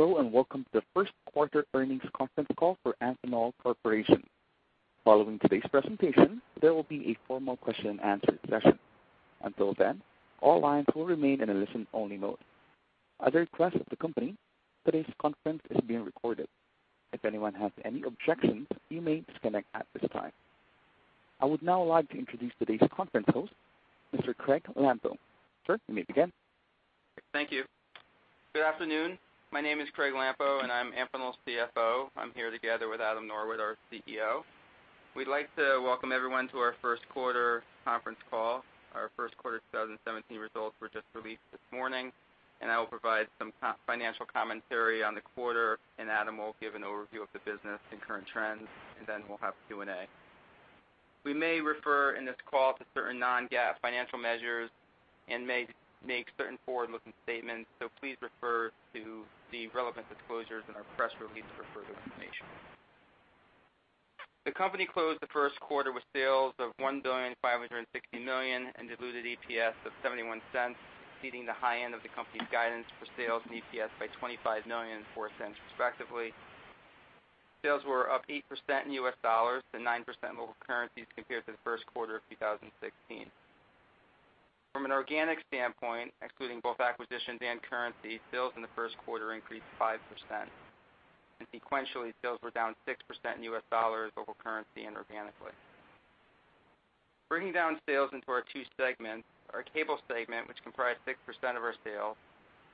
Hello, and welcome to the first quarter earnings conference call for Amphenol Corporation. Following today's presentation, there will be a formal question-and-answer session. Until then, all lines will remain in a listen-only mode. As a request of the company, today's conference is being recorded. If anyone has any objections, you may disconnect at this time. I would now like to introduce today's conference host, Mr. Craig Lampo. Sir, you may begin. Thank you. Good afternoon. My name is Craig Lampo, and I'm Amphenol's CFO. I'm here together with Adam Norwitt, our CEO. We'd like to welcome everyone to our first quarter conference call. Our first quarter 2017 results were just released this morning, and I will provide some financial commentary on the quarter, and Adam will give an overview of the business and current trends, and then we'll have Q&A. We may refer in this call to certain non-GAAP financial measures and may make certain forward-looking statements, so please refer to the relevant disclosures in our press release for further information. The company closed the first quarter with sales of $1,560 million and a diluted EPS of $0.71, exceeding the high end of the company's guidance for sales and EPS by $25 million and $0.04 respectively. Sales were up 8% in U.S. dollars to 9% in local currencies compared to the first quarter of 2016. From an organic standpoint, excluding both acquisitions and currency, sales in the first quarter increased 5%. Sequentially, sales were down 6% in U.S. dollars, local currency, and organically. Breaking down sales into our two segments, our cable segment, which comprised 6% of our sales,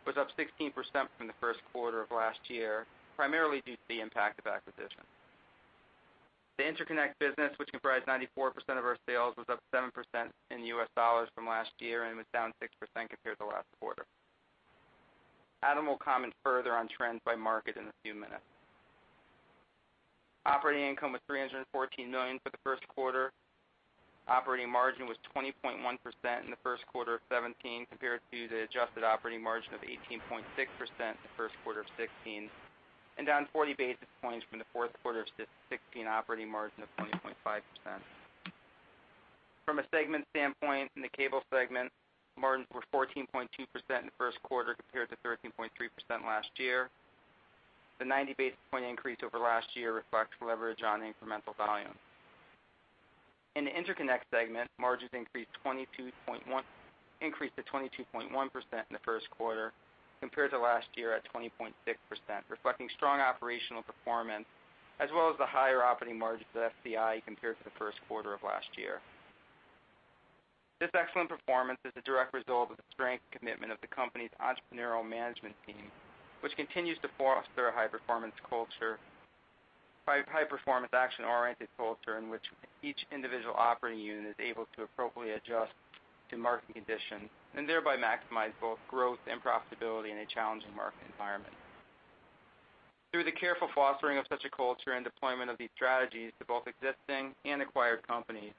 was up 16% from the first quarter of last year, primarily due to the impact of acquisitions. The interconnect business, which comprised 94% of our sales, was up 7% in U.S. dollars from last year and was down 6% compared to last quarter. Adam will comment further on trends by market in a few minutes. Operating income was $314 million for the first quarter. Operating margin was 20.1% in the first quarter of 2017 compared to the adjusted operating margin of 18.6% in the first quarter of 2016, and down 40 basis points from the fourth quarter of 2016 operating margin of 20.5%. From a segment standpoint, in the cable segment, margins were 14.2% in the first quarter compared to 13.3% last year. The 90 basis point increase over last year reflects leverage on incremental volume. In the interconnect segment, margins increased to 22.1% in the first quarter compared to last year at 20.6%, reflecting strong operational performance as well as the higher operating margins of FCI compared to the first quarter of last year. This excellent performance is a direct result of the strength and commitment of the company's entrepreneurial management team, which continues to foster a high-performance culture, high-performance action-oriented culture in which each individual operating unit is able to appropriately adjust to market conditions and thereby maximize both growth and profitability in a challenging market environment. Through the careful fostering of such a culture and deployment of these strategies to both existing and acquired companies,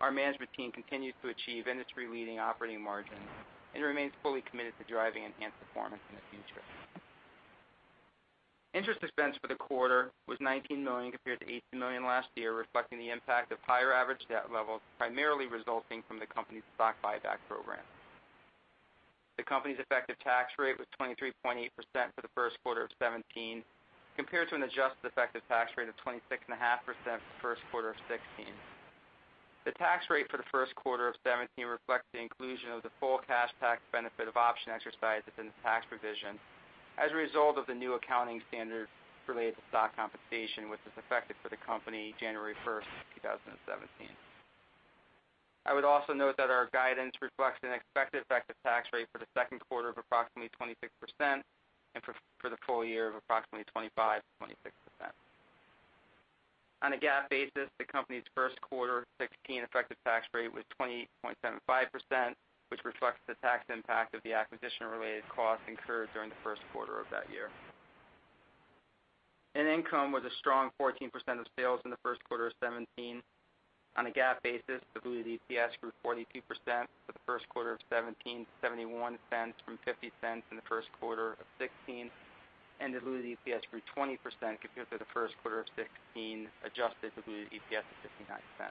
our management team continues to achieve industry-leading operating margins and remains fully committed to driving enhanced performance in the future. Interest expense for the quarter was $19 million compared to $18 million last year, reflecting the impact of higher average debt levels primarily resulting from the company's stock buyback program. The company's effective tax rate was 23.8% for the first quarter of 2017 compared to an adjusted effective tax rate of 26.5% for the first quarter of 2016. The tax rate for the first quarter of 2017 reflects the inclusion of the full cash tax benefit of option exercises in the tax provision as a result of the new accounting standards related to stock compensation, which is effective for the company January 1st, 2017. I would also note that our guidance reflects an expected effective tax rate for the second quarter of approximately 26% and for the full year of approximately 25%-26%. On a GAAP basis, the company's first quarter of 2016 effective tax rate was 28.75%, which reflects the tax impact of the acquisition-related costs incurred during the first quarter of that year. In income, there was a strong 14% of sales in the first quarter of 2017. On a GAAP basis, diluted EPS grew 42% for the first quarter of 2017 to $0.71 from $0.50 in the first quarter of 2016, and diluted EPS grew 20% compared to the first quarter of 2016, adjusted diluted EPS of $0.59.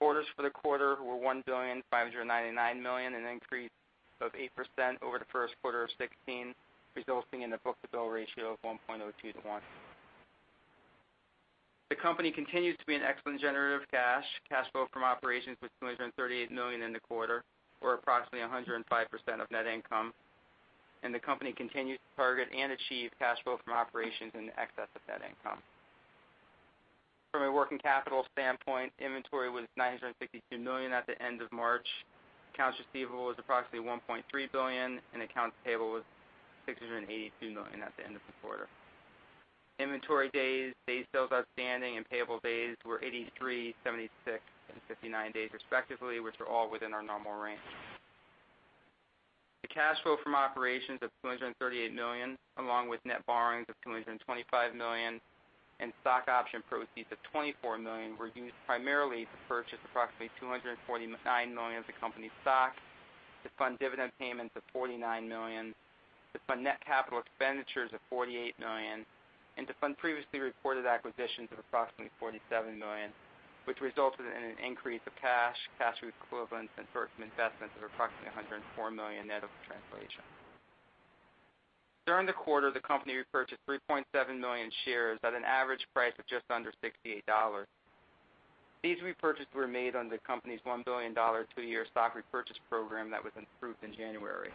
Orders for the quarter were $1,599 million, an increase of 8% over the first quarter of 2016, resulting in a book-to-bill ratio of 1.02-to-1. The company continues to be an excellent generator of cash. Cash flow from operations was $238 million in the quarter, or approximately 105% of net income, and the company continues to target and achieve cash flow from operations in excess of net income. From a working capital standpoint, inventory was $962 million at the end of March. Accounts receivable was approximately $1.3 billion, and accounts payable was $682 million at the end of the quarter. Inventory days, day sales outstanding, and payable days were 83, 76, and 59 days respectively, which are all within our normal range. The cash flow from operations of $238 million, along with net borrowings of $225 million and stock option proceeds of $24 million, were used primarily to purchase approximately $249 million of the company's stock, to fund dividend payments of $49 million, to fund net capital expenditures of $48 million, and to fund previously reported acquisitions of approximately $47 million, which resulted in an increase of cash, cash equivalents, and investments of approximately $104 million net of the translation. During the quarter, the company repurchased 3.7 million shares at an average price of just under $68. These repurchases were made under the company's $1 billion two-year stock repurchase program that was approved in January.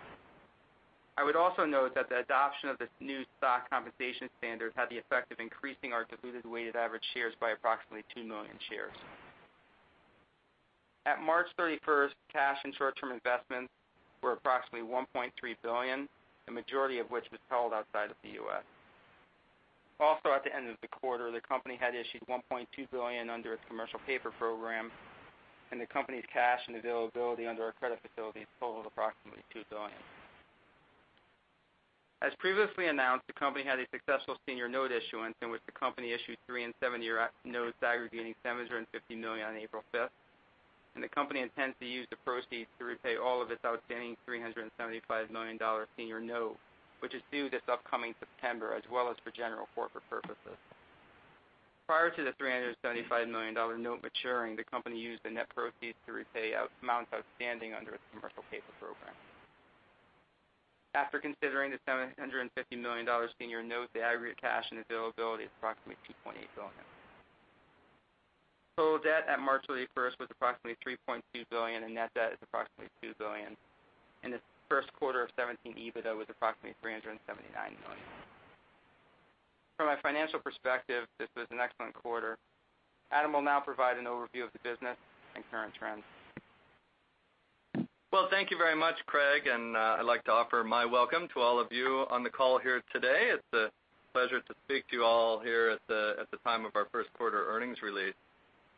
I would also note that the adoption of this new stock compensation standard had the effect of increasing our diluted weighted average shares by approximately 2 million shares. At March 31st, cash and short-term investments were approximately $1.3 billion, the majority of which was held outside of the U.S. Also, at the end of the quarter, the company had issued $1.2 billion under its commercial paper program, and the company's cash and availability under our credit facilities totaled approximately $2 billion. As previously announced, the company had a successful senior note issuance in which the company issued three- and seven-year notes aggregating $750 million on April 5th, and the company intends to use the proceeds to repay all of its outstanding $375 million senior note, which is due this upcoming September, as well as for general corporate purposes. Prior to the $375 million note maturing, the company used the net proceeds to repay amounts outstanding under its commercial paper program. After considering the $750 million senior note, the aggregate cash and availability is approximately $2.8 billion. Total debt at March 31st was approximately $3.2 billion, and net debt is approximately $2 billion, and the first quarter of 2017 EBITDA was approximately $379 million. From a financial perspective, this was an excellent quarter. Adam will now provide an overview of the business and current trends. Well, thank you very much, Craig, and I'd like to offer my welcome to all of you on the call here today. It's a pleasure to speak to you all here at the time of our first quarter earnings release.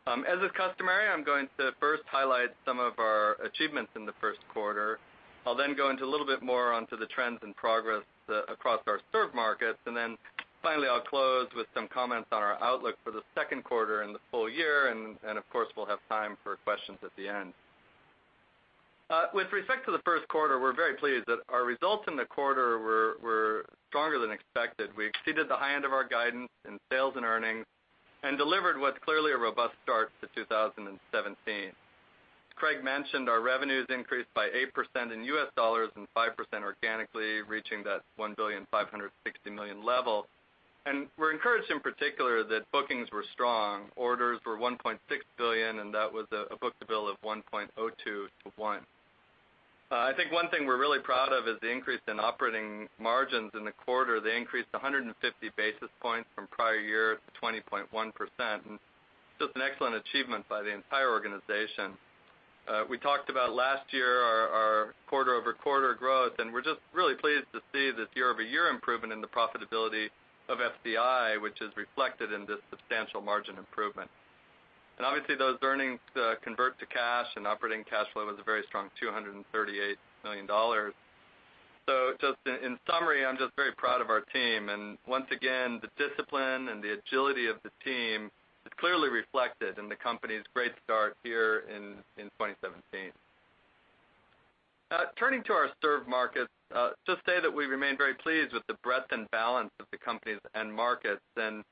As is customary, I'm going to first highlight some of our achievements in the first quarter. I'll then go into a little bit more into the trends and progress across our end markets, and then finally, I'll close with some comments on our outlook for the second quarter in the full year, and of course, we'll have time for questions at the end. With respect to the first quarter, we're very pleased that our results in the quarter were stronger than expected. We exceeded the high end of our guidance in sales and earnings and delivered what's clearly a robust start to 2017. As Craig mentioned, our revenues increased by 8% in U.S. dollars and 5% organically, reaching that $1,560 million level, and we're encouraged in particular that bookings were strong. Orders were $1.6 billion, and that was a book-to-bill of 1.02-to-1. I think one thing we're really proud of is the increase in operating margins in the quarter. They increased 150 basis points from prior year to 20.1%, and it's just an excellent achievement by the entire organization. We talked about last year, our quarter-over-quarter growth, and we're just really pleased to see this year-over-year improvement in the profitability of FCI, which is reflected in this substantial margin improvement. And obviously, those earnings convert to cash, and operating cash flow was a very strong $238 million. So just in summary, I'm just very proud of our team, and once again, the discipline and the agility of the team is clearly reflected in the company's great start here in 2017. Turning to our end markets, just to say that we remain very pleased with the breadth and balance of the company's end markets, and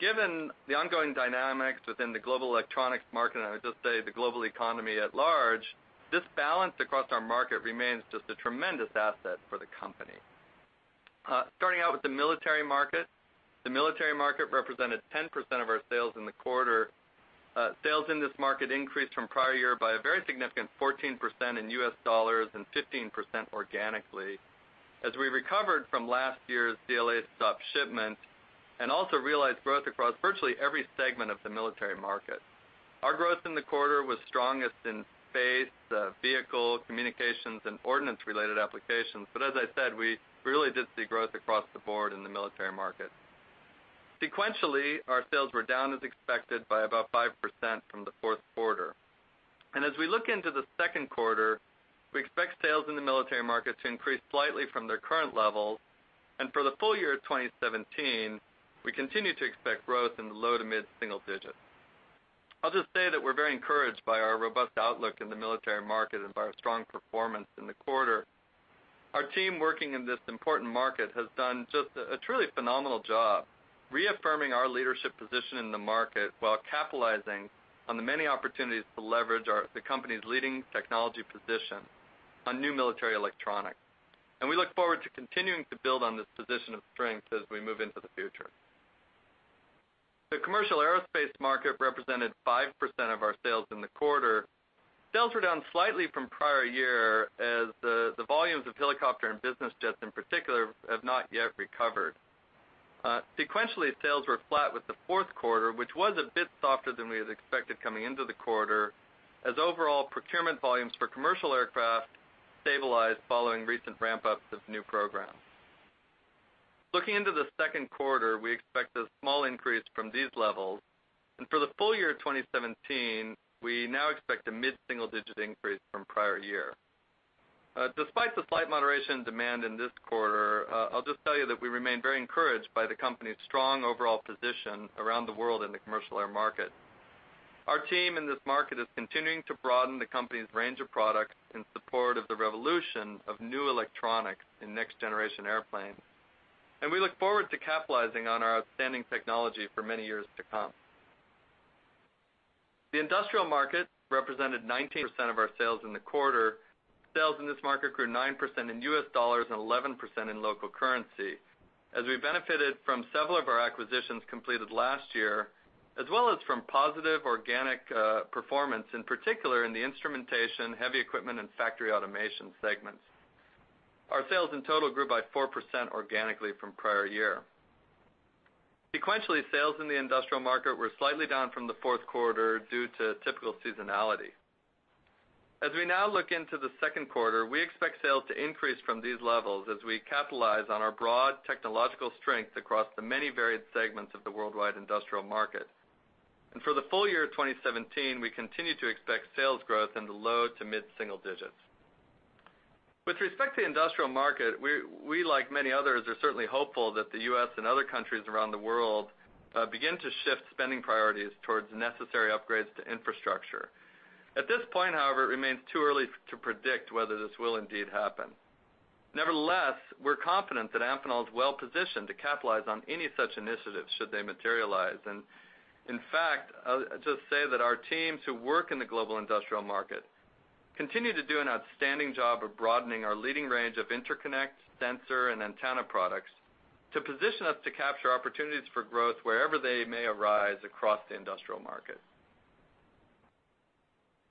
given the ongoing dynamics within the global electronics market, and I would just say the global economy at large, this balance across our market remains just a tremendous asset for the company. Starting out with the military market, the military market represented 10% of our sales in the quarter. Sales in this market increased from prior year by a very significant 14% in U.S. dollars and 15% organically as we recovered from last year's DLA stop shipment and also realized growth across virtually every segment of the military market. Our growth in the quarter was strongest in space, vehicle, communications, and ordnance-related applications, but as I said, we really did see growth across the board in the military market. Sequentially, our sales were down as expected by about 5% from the fourth quarter. As we look into the second quarter, we expect sales in the military market to increase slightly from their current levels, and for the full year of 2017, we continue to expect growth in the low to mid single digits. I'll just say that we're very encouraged by our robust outlook in the military market and by our strong performance in the quarter. Our team working in this important market has done just a truly phenomenal job reaffirming our leadership position in the market while capitalizing on the many opportunities to leverage the company's leading technology position on new military electronics, and we look forward to continuing to build on this position of strength as we move into the future. The commercial aerospace market represented 5% of our sales in the quarter. Sales were down slightly from prior year as the volumes of helicopter and business jets in particular have not yet recovered. Sequentially, sales were flat with the fourth quarter, which was a bit softer than we had expected coming into the quarter as overall procurement volumes for commercial aircraft stabilized following recent ramp-ups of new programs. Looking into the second quarter, we expect a small increase from these levels, and for the full year of 2017, we now expect a mid-single digit increase from prior year. Despite the slight moderation in demand in this quarter, I'll just tell you that we remain very encouraged by the company's strong overall position around the world in the commercial air market. Our team in this market is continuing to broaden the company's range of products in support of the revolution of new electronics in next-generation airplanes, and we look forward to capitalizing on our outstanding technology for many years to come. The industrial market represented 19% of our sales in the quarter. Sales in this market grew 9% in U.S. dollars and 11% in local currency as we benefited from several of our acquisitions completed last year as well as from positive organic performance, in particular in the instrumentation, heavy equipment, and factory automation segments. Our sales in total grew by 4% organically from prior year. Sequentially, sales in the industrial market were slightly down from the fourth quarter due to typical seasonality. As we now look into the second quarter, we expect sales to increase from these levels as we capitalize on our broad technological strength across the many varied segments of the worldwide industrial market, and for the full year of 2017, we continue to expect sales growth in the low to mid single digits. With respect to the industrial market, we, like many others, are certainly hopeful that the U.S. and other countries around the world begin to shift spending priorities toward necessary upgrades to infrastructure. At this point, however, it remains too early to predict whether this will indeed happen. Nevertheless, we're confident that Amphenol is well positioned to capitalize on any such initiatives should they materialize, and in fact, I'll just say that our teams who work in the global industrial market continue to do an outstanding job of broadening our leading range of interconnect, sensor, and antenna products to position us to capture opportunities for growth wherever they may arise across the industrial market.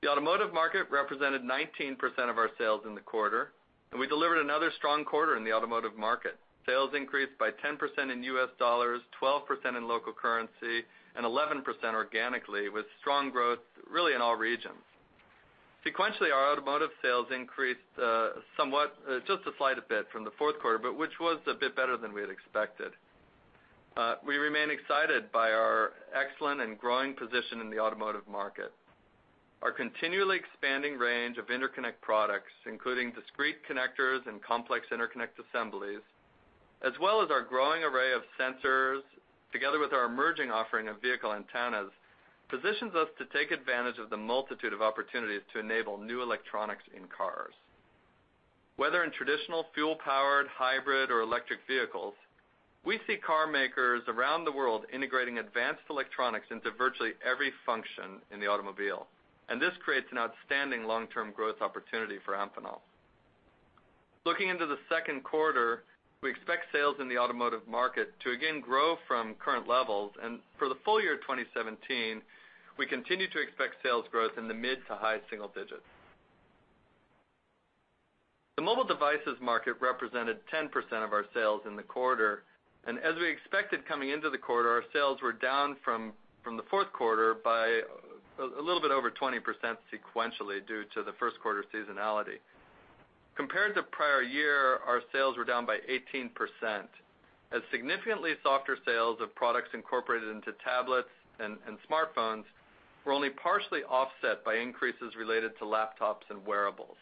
The automotive market represented 19% of our sales in the quarter, and we delivered another strong quarter in the automotive market. Sales increased by 10% in U.S. dollars, 12% in local currency, and 11% organically, with strong growth really in all regions. Sequentially, our automotive sales increased somewhat, just a slight bit from the fourth quarter, but which was a bit better than we had expected. We remain excited by our excellent and growing position in the automotive market. Our continually expanding range of interconnect products, including discrete connectors and complex interconnect assemblies, as well as our growing array of sensors, together with our emerging offering of vehicle antennas, positions us to take advantage of the multitude of opportunities to enable new electronics in cars. Whether in traditional fuel-powered, hybrid, or electric vehicles, we see car makers around the world integrating advanced electronics into virtually every function in the automobile, and this creates an outstanding long-term growth opportunity for Amphenol. Looking into the second quarter, we expect sales in the automotive market to again grow from current levels, and for the full year of 2017, we continue to expect sales growth in the mid- to high-single-digits. The mobile devices market represented 10% of our sales in the quarter, and as we expected coming into the quarter, our sales were down from the fourth quarter by a little bit over 20% sequentially due to the first quarter seasonality. Compared to prior year, our sales were down by 18%, as significantly softer sales of products incorporated into tablets and smartphones were only partially offset by increases related to laptops and wearables.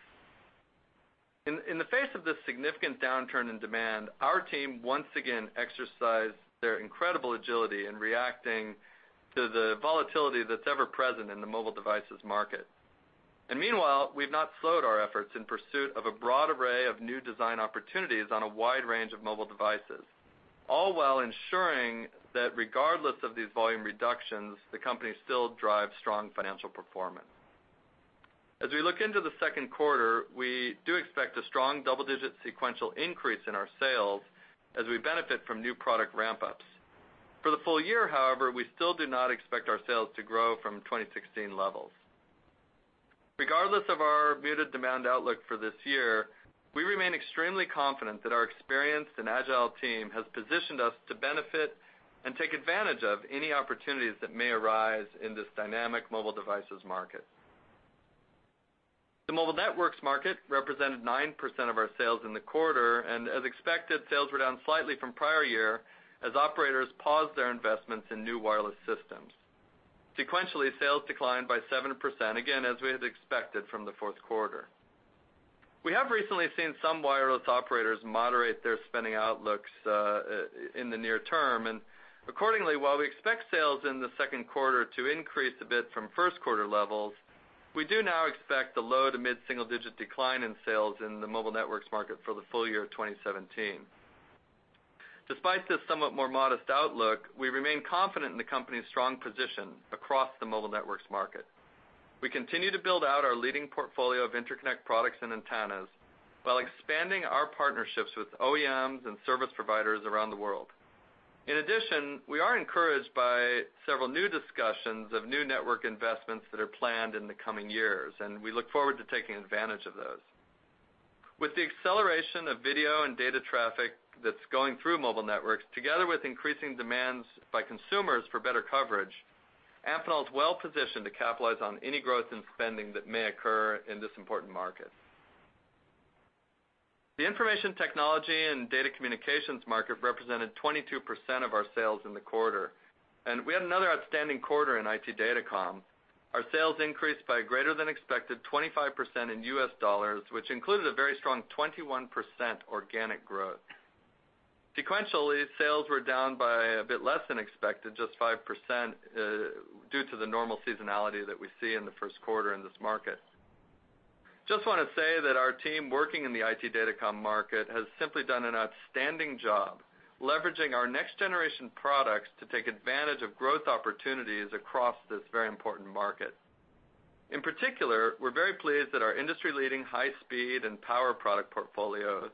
In the face of this significant downturn in demand, our team once again exercised their incredible agility in reacting to the volatility that's ever present in the mobile devices market. Meanwhile, we've not slowed our efforts in pursuit of a broad array of new design opportunities on a wide range of mobile devices, all while ensuring that regardless of these volume reductions, the company still drives strong financial performance. As we look into the second quarter, we do expect a strong double-digit sequential increase in our sales as we benefit from new product ramp-ups. For the full year, however, we still do not expect our sales to grow from 2016 levels. Regardless of our muted demand outlook for this year, we remain extremely confident that our experienced and agile team has positioned us to benefit and take advantage of any opportunities that may arise in this dynamic mobile devices market. The mobile networks market represented 9% of our sales in the quarter, and as expected, sales were down slightly from prior year as operators paused their investments in new wireless systems. Sequentially, sales declined by 7%, again as we had expected from the fourth quarter. We have recently seen some wireless operators moderate their spending outlooks in the near term, and accordingly, while we expect sales in the second quarter to increase a bit from first quarter levels, we do now expect a low- to mid-single-digit decline in sales in the mobile networks market for the full year of 2017. Despite this somewhat more modest outlook, we remain confident in the company's strong position across the mobile networks market. We continue to build out our leading portfolio of interconnect products and antennas while expanding our partnerships with OEMs and service providers around the world. In addition, we are encouraged by several new discussions of new network investments that are planned in the coming years, and we look forward to taking advantage of those. With the acceleration of video and data traffic that's going through mobile networks, together with increasing demands by consumers for better coverage, Amphenol is well positioned to capitalize on any growth in spending that may occur in this important market. The information technology and data communications market represented 22% of our sales in the quarter, and we had another outstanding quarter in IT datacom. Our sales increased by a greater than expected 25% in U.S. dollars, which included a very strong 21% organic growth. Sequentially, sales were down by a bit less than expected, just 5%, due to the normal seasonality that we see in the first quarter in this market. Just want to say that our team working in the IT datacom market has simply done an outstanding job leveraging our next-generation products to take advantage of growth opportunities across this very important market. In particular, we're very pleased that our industry-leading high-speed and power product portfolio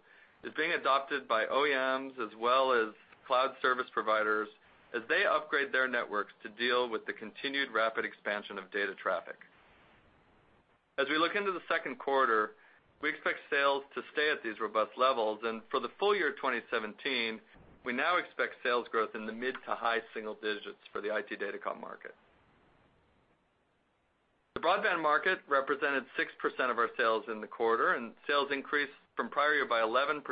is being adopted by OEMs as well as cloud service providers as they upgrade their networks to deal with the continued rapid expansion of data traffic. As we look into the second quarter, we expect sales to stay at these robust levels, and for the full year of 2017, we now expect sales growth in the mid to high single digits for the IT datacom market. The broadband market represented 6% of our sales in the quarter, and sales increased from prior year by 11%,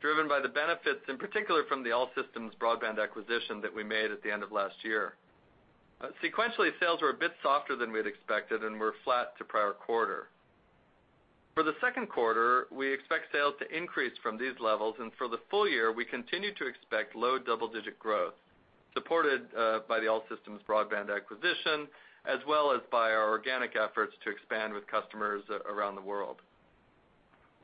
driven by the benefits, in particular, from the All Systems Broadband acquisition that we made at the end of last year. Sequentially, sales were a bit softer than we had expected and were flat to prior quarter. For the second quarter, we expect sales to increase from these levels, and for the full year, we continue to expect low double-digit growth supported by the All Systems Broadband acquisition as well as by our organic efforts to expand with customers around the world.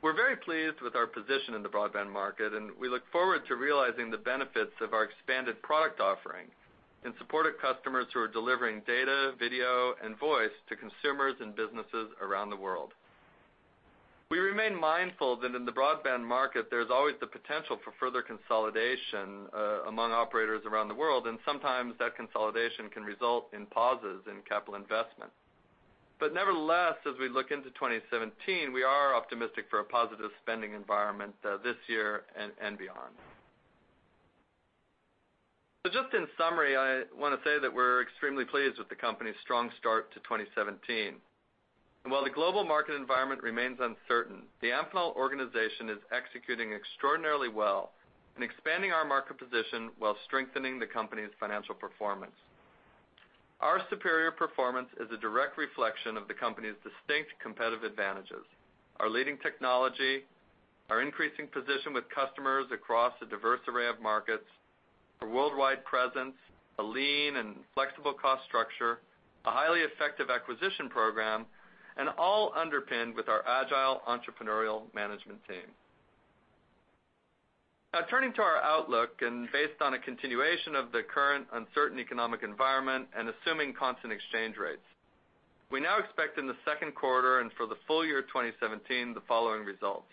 We're very pleased with our position in the broadband market, and we look forward to realizing the benefits of our expanded product offering in support of customers who are delivering data, video, and voice to consumers and businesses around the world. We remain mindful that in the broadband market, there's always the potential for further consolidation among operators around the world, and sometimes that consolidation can result in pauses in capital investment. But nevertheless, as we look into 2017, we are optimistic for a positive spending environment this year and beyond. So just in summary, I want to say that we're extremely pleased with the company's strong start to 2017. While the global market environment remains uncertain, the Amphenol organization is executing extraordinarily well and expanding our market position while strengthening the company's financial performance. Our superior performance is a direct reflection of the company's distinct competitive advantages: our leading technology, our increasing position with customers across a diverse array of markets, a worldwide presence, a lean and flexible cost structure, a highly effective acquisition program, and all underpinned with our agile entrepreneurial management team. Now, turning to our outlook and based on a continuation of the current uncertain economic environment and assuming constant exchange rates, we now expect in the second quarter and for the full year of 2017 the following results.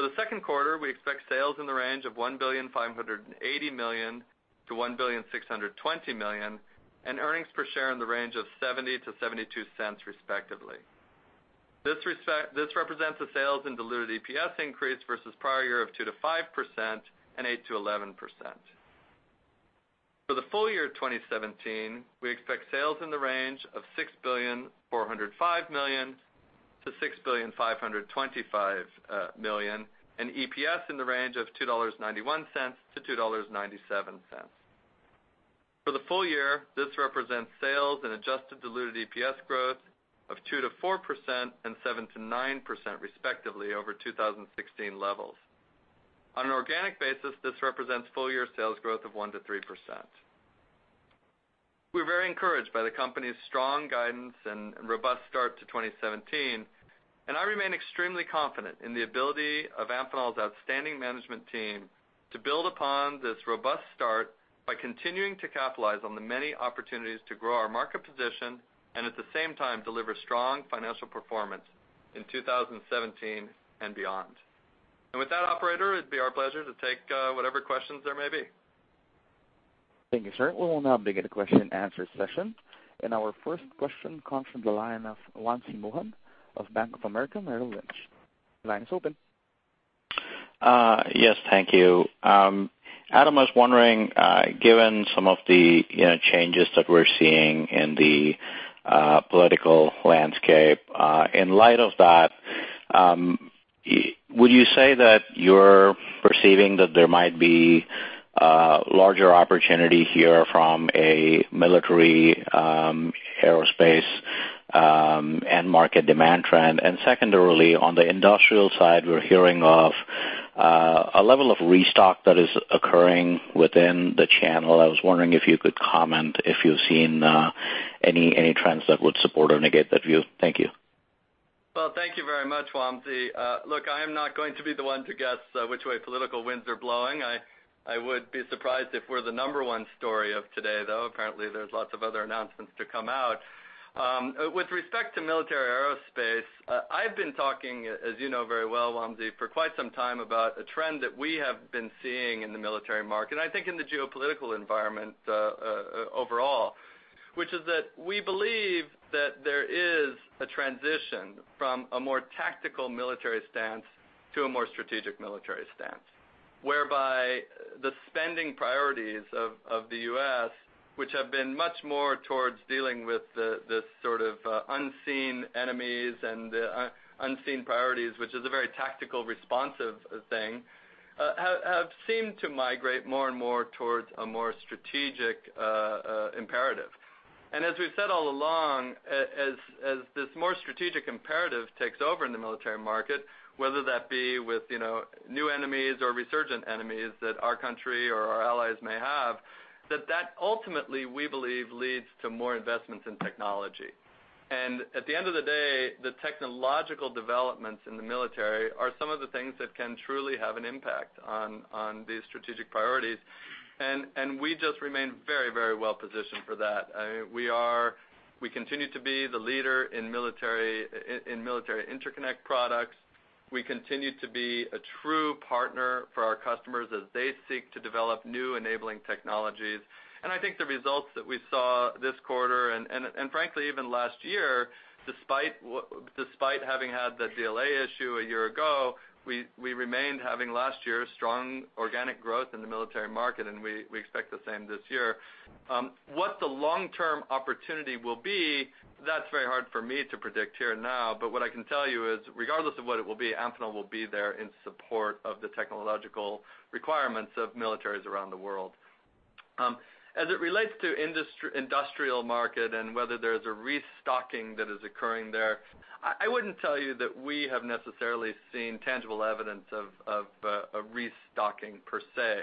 For the second quarter, we expect sales in the range of $1.58 billion-$1.62 billion and earnings per share in the range of $0.70-$0.72, respectively. This represents a sales and diluted EPS increase versus prior year of 2%-5% and 8%-11%. For the full year of 2017, we expect sales in the range of $6.405 billion-$6.525 billion and EPS in the range of $2.91-$2.97. For the full year, this represents sales and adjusted diluted EPS growth of 2%-4% and 7%-9%, respectively, over 2016 levels. On an organic basis, this represents full year sales growth of 1%-3%. We're very encouraged by the company's strong guidance and robust start to 2017, and I remain extremely confident in the ability of Amphenol's outstanding management team to build upon this robust start by continuing to capitalize on the many opportunities to grow our market position and at the same time deliver strong financial performance in 2017 and beyond. And with that, Operator, it'd be our pleasure to take whatever questions there may be. Thank you, sir. We will now begin the question and answer session, and our first question comes from the line of Wamsi Mohan of Bank of America Merrill Lynch. The line is open. Yes, thank you. Adam was wondering, given some of the changes that we're seeing in the political landscape, in light of that, would you say that you're perceiving that there might be a larger opportunity here from a military aerospace and market demand trend? Secondarily, on the industrial side, we're hearing of a level of restock that is occurring within the channel. I was wondering if you could comment if you've seen any trends that would support or negate that view. Tha nk you. Well, thank you very much, Wamsi. Look, I am not going to be the one to guess which way political winds are blowing. I would be surprised if we're the number one story of today, though. Apparently, there's lots of other announcements to come out. With respect to military aerospace, I've been talking, as you know very well, Wamsi, for quite some time about a trend that we have been seeing in the military market, and I think in the geopolitical environment overall, which is that we believe that there is a transition from a more tactical military stance to a more strategic military stance, whereby the spending priorities of the U.S., which have been much more towards dealing with this sort of unseen enemies and unseen priorities, which is a very tactical responsive thing, have seemed to migrate more and more towards a more strategic imperative. And as we've said all along, as this more strategic imperative takes over in the military market, whether that be with new enemies or resurgent enemies that our country or our allies may have, that that ultimately, we believe, leads to more investments in technology. At the end of the day, the technological developments in the military are some of the things that can truly have an impact on these strategic priorities, and we just remain very, very well positioned for that. We continue to be the leader in military interconnect products. We continue to be a true partner for our customers as they seek to develop new enabling technologies. I think the results that we saw this quarter, and frankly, even last year, despite having had the DLA issue a year ago, we remained having last year strong organic growth in the military market, and we expect the same this year. What the long-term opportunity will be, that's very hard for me to predict here and now, but what I can tell you is, regardless of what it will be, Amphenol will be there in support of the technological requirements of militaries around the world. As it relates to the industrial market and whether there's a restocking that is occurring there, I wouldn't tell you that we have necessarily seen tangible evidence of a restocking per se.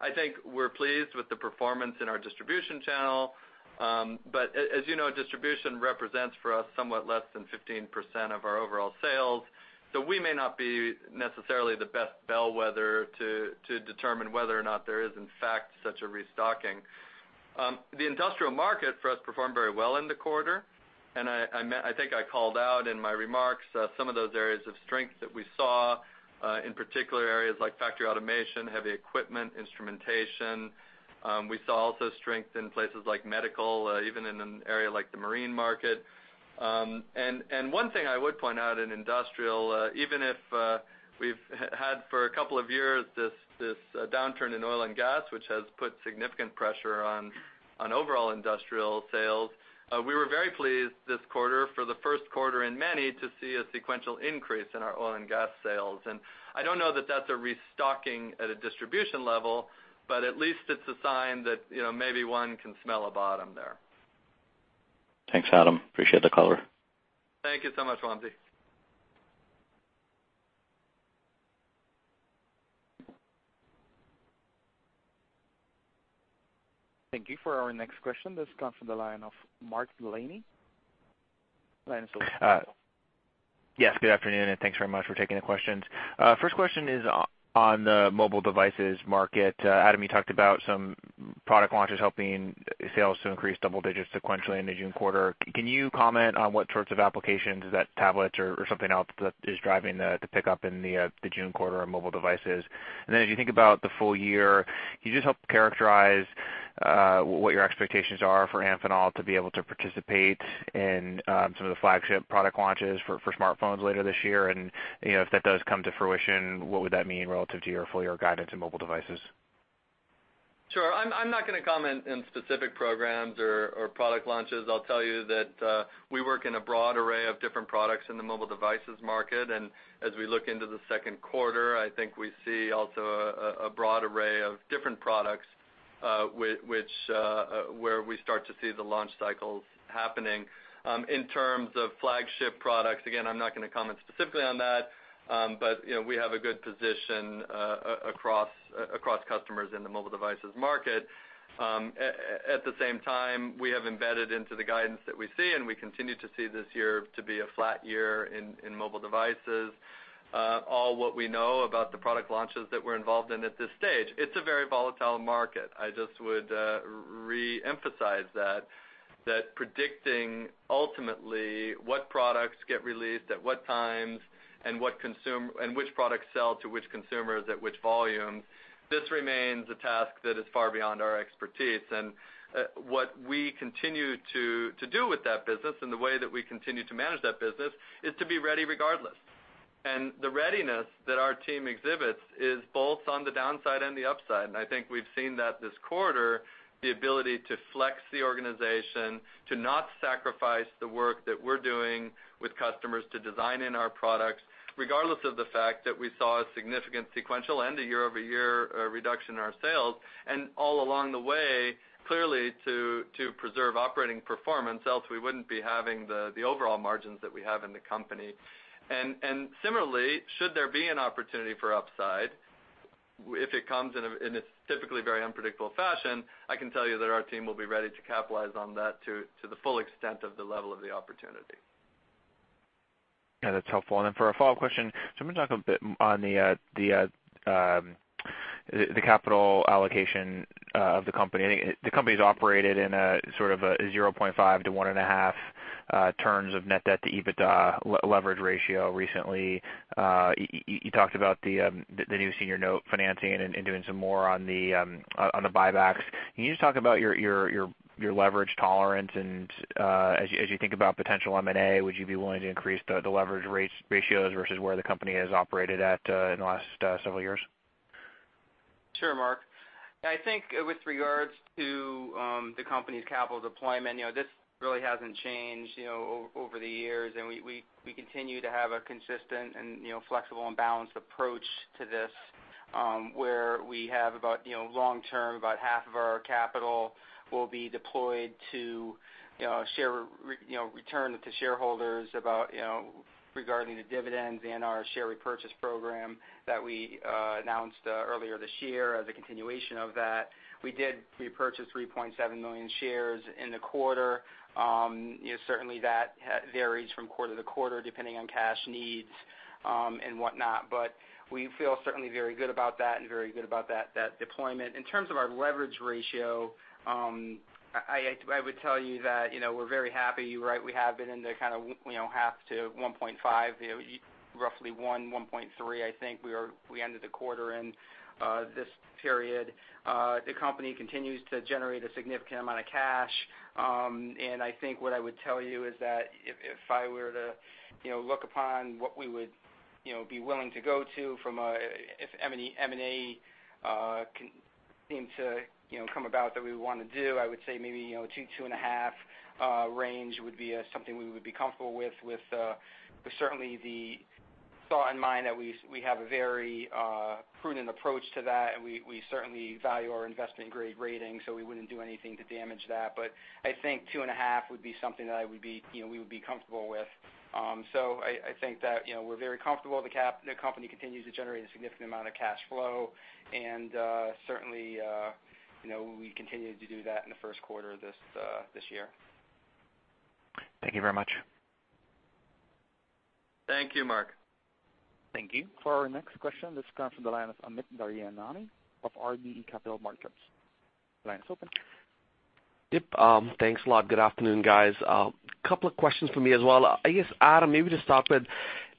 I think we're pleased with the performance in our distribution channel, but as you know, distribution represents for us somewhat less than 15% of our overall sales, so we may not be necessarily the best bellwether to determine whether or not there is, in fact, such a restocking. The industrial market for us performed very well in the quarter, and I think I called out in my remarks some of those areas of strength that we saw, in particular, areas like factory automation, heavy equipment, instrumentation. We saw also strength in places like medical, even in an area like the marine market. One thing I would point out in industrial, even if we've had for a couple of years this downturn in oil and gas, which has put significant pressure on overall industrial sales, we were very pleased this quarter, for the first quarter in many, to see a sequential increase in our oil and gas sales. And I don't know that that's a restocking at a distribution level, but at least it's a sign that maybe one can smell a bottom there. Thanks, Adam. Appreciate the caller. Thank you so much, Wamsi. Thank you for our next question. This comes from the line of Mark Delaney. Delaney, sir. Yes, good afternoon, and thanks very much for taking the questions. First question is on the mobile devices market. Adam, you talked about some product launches helping sales to increase double digits sequentially in the June quarter. Can you comment on what sorts of applications, is that tablets or something else, that is driving the pickup in the June quarter of mobile devices? And then as you think about the full year, can you just help characterize what your expectations are for Amphenol to be able to participate in some of the flagship product launches for smartphones later this year? And if that does come to fruition, what would that mean relative to your full year of guidance in mobile devices? Sure. I'm not going to comment in specific programs or product launches. I'll tell you that we work in a broad array of different products in the mobile devices market, and as we look into the second quarter, I think we see also a broad array of different products where we start to see the launch cycles happening. In terms of flagship products, again, I'm not going to comment specifically on that, but we have a good position across customers in the mobile devices market. At the same time, we have embedded into the guidance that we see, and we continue to see this year to be a flat year in mobile devices. All what we know about the product launches that we're involved in at this stage, it's a very volatile market. I just would re-emphasize that predicting ultimately what products get released, at what times, and which products sell to which consumers at which volumes, this remains a task that is far beyond our expertise. What we continue to do with that business and the way that we continue to manage that business is to be ready regardless. The readiness that our team exhibits is both on the downside and the upside, and I think we've seen that this quarter, the ability to flex the organization, to not sacrifice the work that we're doing with customers to design in our products, regardless of the fact that we saw a significant sequential and a year-over-year reduction in our sales, and all along the way, clearly, to preserve operating performance else we wouldn't be having the overall margins that we have in the company. And similarly, should there be an opportunity for upside, if it comes in a typically very unpredictable fashion, I can tell you that our team will be ready to capitalize on that to the full extent of the level of the opportunity. Yeah, that's helpful. And then for a follow-up question, so I'm going to talk a bit on the capital allocation of the company. The company's operated in a sort of a 0.5-1.5 turns of net debt to EBITDA leverage ratio recently. You talked about the new senior note financing and doing some more on the buybacks. Can you just talk about your leverage tolerance? And as you think about potential M&A, would you be willing to increase the leverage ratios versus where the company has operated at in the last several years? Sure, Mark. I think with regards to the company's capital deployment, this really hasn't changed over the years, and we continue to have a consistent and flexible and balanced approach to this where we have about long-term, about half of our capital will be deployed to return to shareholders regarding the dividends and our share repurchase program that we announced earlier this year as a continuation of that. We did repurchase 3.7 million shares in the quarter. Certainly, that varies from quarter to quarter depending on cash needs and whatnot, but we feel certainly very good about that and very good about that deployment. In terms of our leverage ratio, I would tell you that we're very happy. You're right, we have been in the kind of 0.5-1.5, roughly 1, 1.3, I think we ended the quarter in this period. The company continues to generate a significant amount of cash, and I think what I would tell you is that if I were to look upon what we would be willing to go to from an M&A thing to come about that we would want to do, I would say maybe 2-2.5 range would be something we would be comfortable with, with certainly the thought in mind that we have a very prudent approach to that, and we certainly value our investment-grade rating, so we wouldn't do anything to damage that. But I think 2.5 would be something that we would be comfortable with. So I think that we're very comfortable. The company continues to generate a significant amount of cash flow, and certainly, we continue to do that in the first quarter of this year. Thank you very much. Thank you, Mark. Thank you. For our next question, this comes from the line of Amit Daryanani of RBC Capital Markets. The line is open. Yep. Thanks a lot. Good afternoon, guys. A couple of questions for me as well. I guess, Adam, maybe to start with,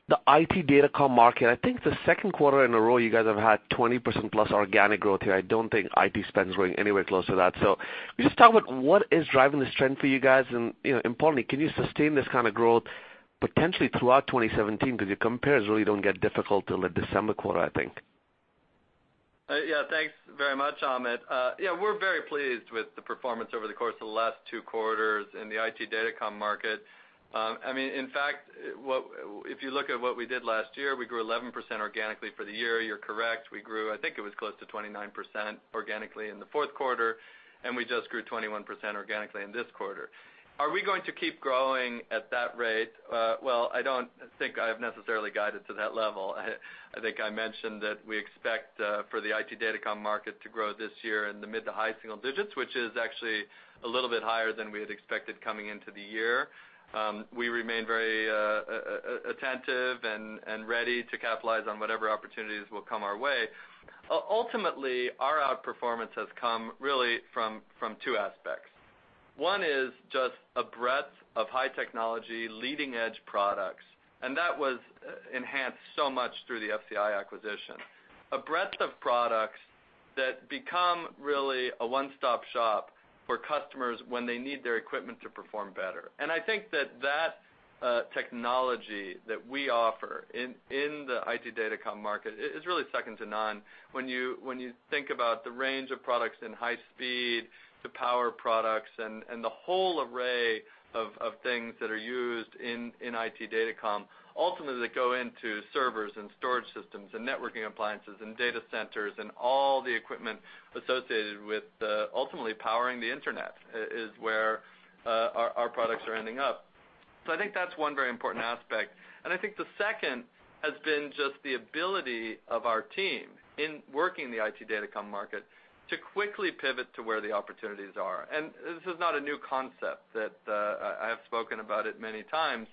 the IT datacom market, I think the second quarter in a row you guys have had 20%+ organic growth here. I don't think IT spend's going anywhere close to that. So just talk about what is driving this trend for you guys, and importantly, can you sustain this kind of growth potentially throughout 2017? Because your compares really don't get difficult till the December quarter, I think. Yeah, thanks very much, Amit. Yeah, we're very pleased with the performance over the course of the last two quarters in the IT datacom market.I mean, in fact, if you look at what we did last year, we grew 11% organically for the year. You're correct. We grew, I think it was close to 29% organically in the fourth quarter, and we just grew 21% organically in this quarter. Are we going to keep growing at that rate? Well, I don't think I've necessarily guided to that level. I think I mentioned that we expect for the IT datacom market to grow this year in the mid to high single digits, which is actually a little bit higher than we had expected coming into the year. We remain very attentive and ready to capitalize on whatever opportunities will come our way. Ultimately, our outperformance has come really from two aspects. One is just a breadth of high-technology, leading-edge products, and that was enhanced so much through the FCI acquisition. A breadth of products that become really a one-stop shop for customers when they need their equipment to perform better. I think that that technology that we offer in the IT datacom market is really second to none. When you think about the range of products in high-speed to power products and the whole array of things that are used in IT datacom, ultimately, that go into servers and storage systems and networking appliances and data centers and all the equipment associated with ultimately powering the internet is where our products are ending up. I think that's one very important aspect. I think the second has been just the ability of our team in working the IT datacom market to quickly pivot to where the opportunities are. This is not a new concept that I have spoken about many times,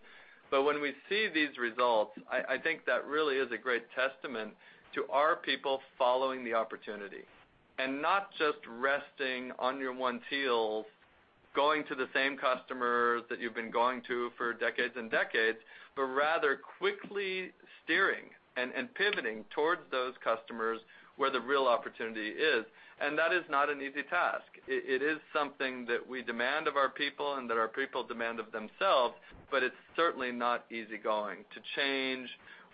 but when we see these results, I think that really is a great testament to our people following the opportunity and not just resting on one's laurels, going to the same customers that you've been going to for decades and decades, but rather quickly steering and pivoting towards those customers where the real opportunity is. That is not an easy task. It is something that we demand of our people and that our people demand of themselves, but it's certainly not easy going to change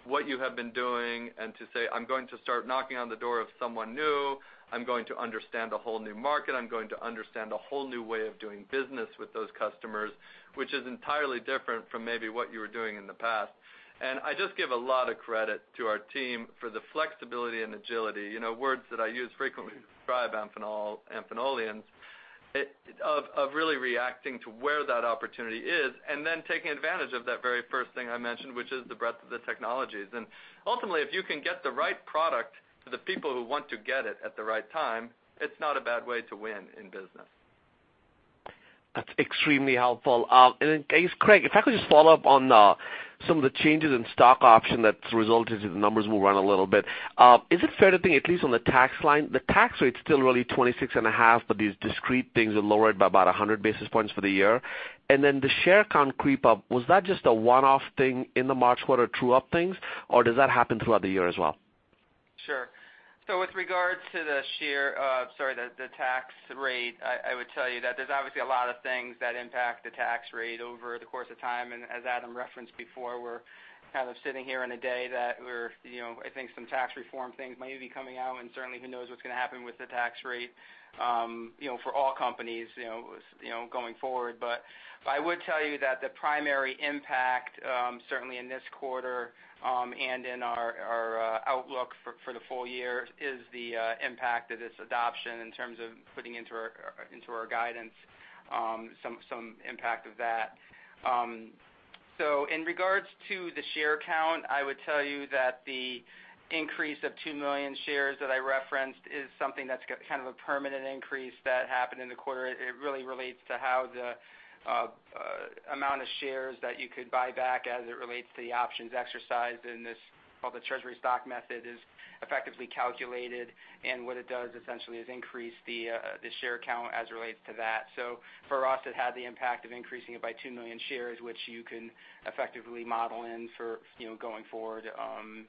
what you have been doing and to say, "I'm going to start knocking on the door of someone new. I'm going to understand a whole new market. I'm going to understand a whole new way of doing business with those customers," which is entirely different from maybe what you were doing in the past. I just give a lot of credit to our team for the flexibility and agility, words that I use frequently to describe Amphenolians, of really reacting to where that opportunity is and then taking advantage of that very first thing I mentioned, which is the breadth of the technologies. Ultimately, if you can get the right product to the people who want to get it at the right time, it's not a bad way to win in business. That's extremely helpful. In case Craig, if I could just follow up on some of the changes in stock option that's resulted to the numbers move around a little bit. Is it fair to think, at least on the tax line, the tax rate's still really 26.5, but these discrete things are lowered by about 100 basis points for the year? And then the share count creep-up, was that just a one-off thing in the March quarter to true up things, or does that happen throughout the year as well? Sure. So with regards to the share sorry, the tax rate, I would tell you that there's obviously a lot of things that impact the tax rate over the course of time. And as Adam referenced before, we're kind of sitting here in a day that we're, I think, some tax reform things may be coming out, and certainly, who knows what's going to happen with the tax rate for all companies going forward. But I would tell you that the primary impact, certainly in this quarter and in our outlook for the full year, is the impact of this adoption in terms of putting into our guidance some impact of that. So in regards to the share count, I would tell you that the increase of 2 million shares that I referenced is something that's kind of a permanent increase that happened in the quarter. It really relates to how the amount of shares that you could buy back as it relates to the options exercised in this called the Treasury stock method is effectively calculated, and what it does essentially is increase the share count as it relates to that. So for us, it had the impact of increasing it by 2 million shares, which you can effectively model in for going forward from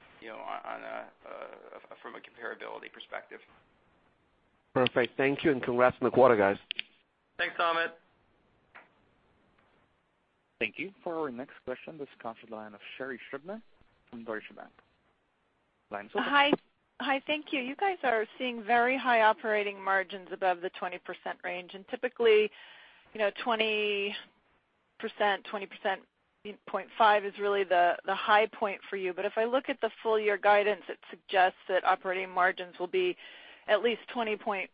a comparability perspective. Perfect.Thank you, and congrats on the quarter, guys. Thanks, Amit. Thank you. For our next question, this comes from the line of Sherri Scribner from Deutsche Bank. Line is open. Hi. Hi. Thank you. You guys are seeing very high operating margins above the 20% range, and typically, 20%, 20.5% is really the high point for you. But if I look at the full year guidance, it suggests that operating margins will be at least 20.5%,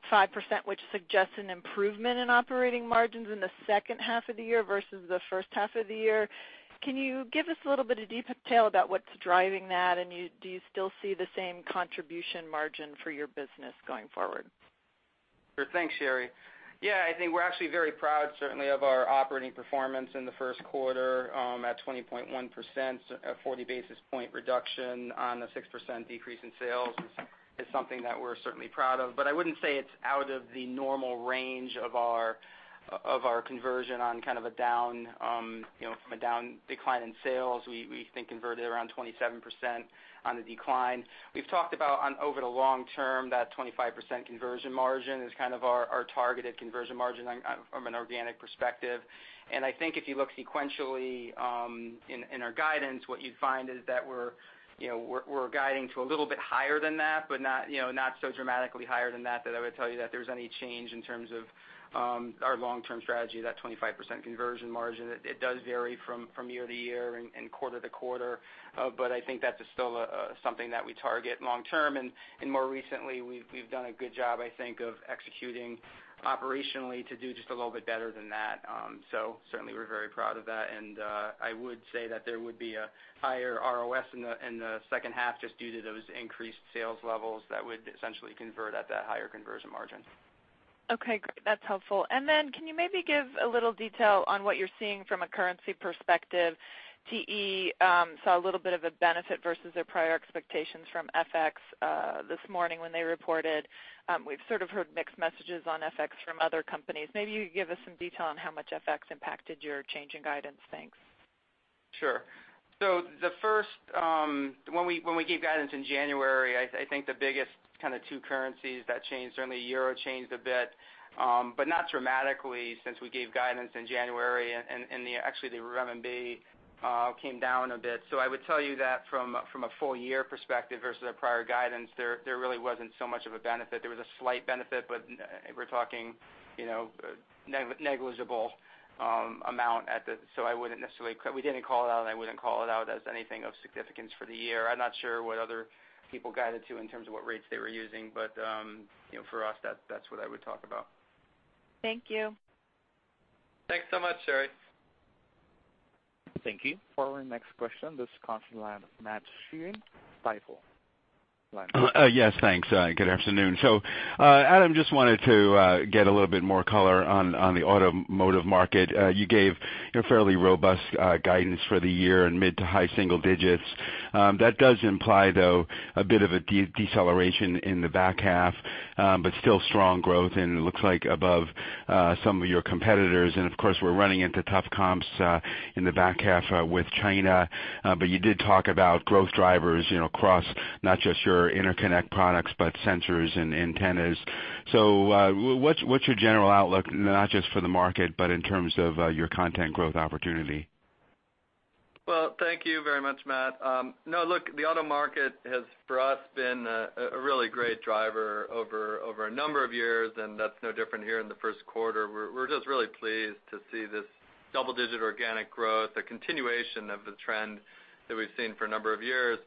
which suggests an improvement in operating margins in the second half of the year versus the first half of the year. Can you give us a little bit of detail about what's driving that, and do you still see the same contribution margin for your business going forward? Sure. Thanks, Sherri. Yeah, I think we're actually very proud, certainly, of our operating performance in the first quarter at 20.1%. A 40 basis point reduction on a 6% decrease in sales is something that we're certainly proud of. But I wouldn't say it's out of the normal range of our conversion on kind of a down decline in sales. We think converted around 27% on the decline. We've talked about, over the long term, that 25% conversion margin is kind of our targeted conversion margin from an organic perspective. And I think if you look sequentially in our guidance, what you'd find is that we're guiding to a little bit higher than that, but not so dramatically higher than that that I would tell you that there's any change in terms of our long-term strategy, that 25% conversion margin. It does vary from year to year and quarter to quarter, but I think that's still something that we target long-term. And more recently, we've done a good job, I think, of executing operationally to do just a little bit better than that. So certainly, we're very proud of that, and I would say that there would be a higher ROS in the second half just due to those increased sales levels that would essentially convert at that higher conversion margin. Okay. Great. That's helpful. And then can you maybe give a little detail on what you're seeing from a currency perspective? TE saw a little bit of a benefit versus their prior expectations from FX this morning when they reported. We've sort of heard mixed messages on FX from other companies. Maybe you could give us some detail on how much FX impacted your change in guidance. Thanks. Sure. So, the first, when we gave guidance in January, I think the biggest kind of two currencies that changed, certainly Euro changed a bit, but not dramatically since we gave guidance in January, and actually the RMB came down a bit. So I would tell you that from a full year perspective versus our prior guidance, there really wasn't so much of a benefit. There was a slight benefit, but we're talking negligible amount, so I wouldn't necessarily we didn't call it out, and I wouldn't call it out as anything of significance for the year. I'm not sure what other people guided to in terms of what rates they were using, but for us, that's what I would talk about. Thank you. Thanks so much, Sherri. Thank you. For our next question, this comes from the line of Matthew Sheerin, Stifel. Yes. Thanks. Good afternoon. So Adam just wanted to get a little bit more color on the automotive market. You gave fairly robust guidance for the year in mid to high single digits. That does imply, though, a bit of a deceleration in the back half, but still strong growth, and it looks like above some of your competitors. And of course, we're running into tough comps in the back half with China, but you did talk about growth drivers across not just your interconnect products, but sensors and antennas. So what's your general outlook, not just for the market, but in terms of your content growth opportunity? Well, thank you very much, Matt. No, look, the auto market has, for us, been a really great driver over a number of years, and that's no different here in the first quarter. We're just really pleased to see this double-digit organic growth, a continuation of the trend that we've seen for a number of years.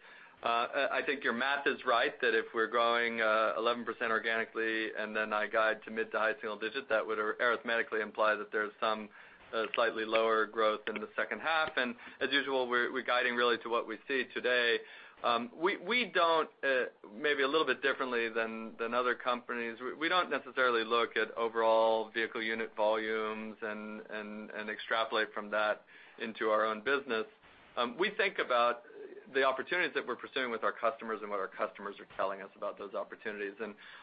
I think your math is right that if we're growing 11% organically and then I guide to mid- to high-single-digit %, that would arithmetically imply that there's some slightly lower growth in the second half. As usual, we're guiding really to what we see today. We don't, maybe a little bit differently than other companies, we don't necessarily look at overall vehicle unit volumes and extrapolate from that into our own business. We think about the opportunities that we're pursuing with our customers and what our customers are telling us about those opportunities.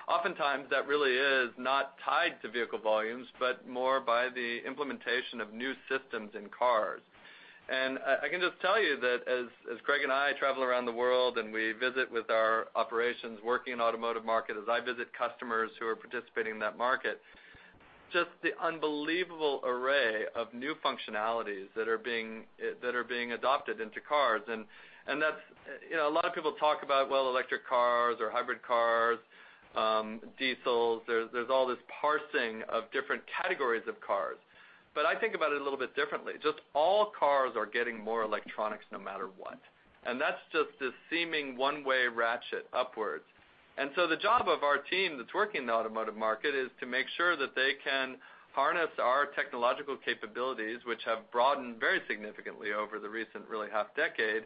Oftentimes, that really is not tied to vehicle volumes, but more by the implementation of new systems in cars. And I can just tell you that as Craig and I travel around the world and we visit with our operations working in the automotive market, as I visit customers who are participating in that market, just the unbelievable array of new functionalities that are being adopted into cars. And a lot of people talk about, well, electric cars or hybrid cars, diesels. There's all this parsing of different categories of cars. But I think about it a little bit differently. Just all cars are getting more electronics no matter what. And that's just this seeming one-way ratchet upwards. And so the job of our team that's working in the automotive market is to make sure that they can harness our technological capabilities, which have broadened very significantly over the recent, really, half-decade,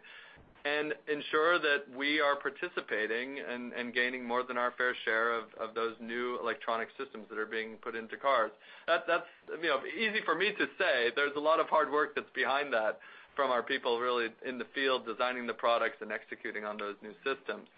and ensure that we are participating and gaining more than our fair share of those new electronic systems that are being put into cars. That's easy for me to say. There's a lot of hard work that's behind that from our people really in the field designing the products and executing on those new systems.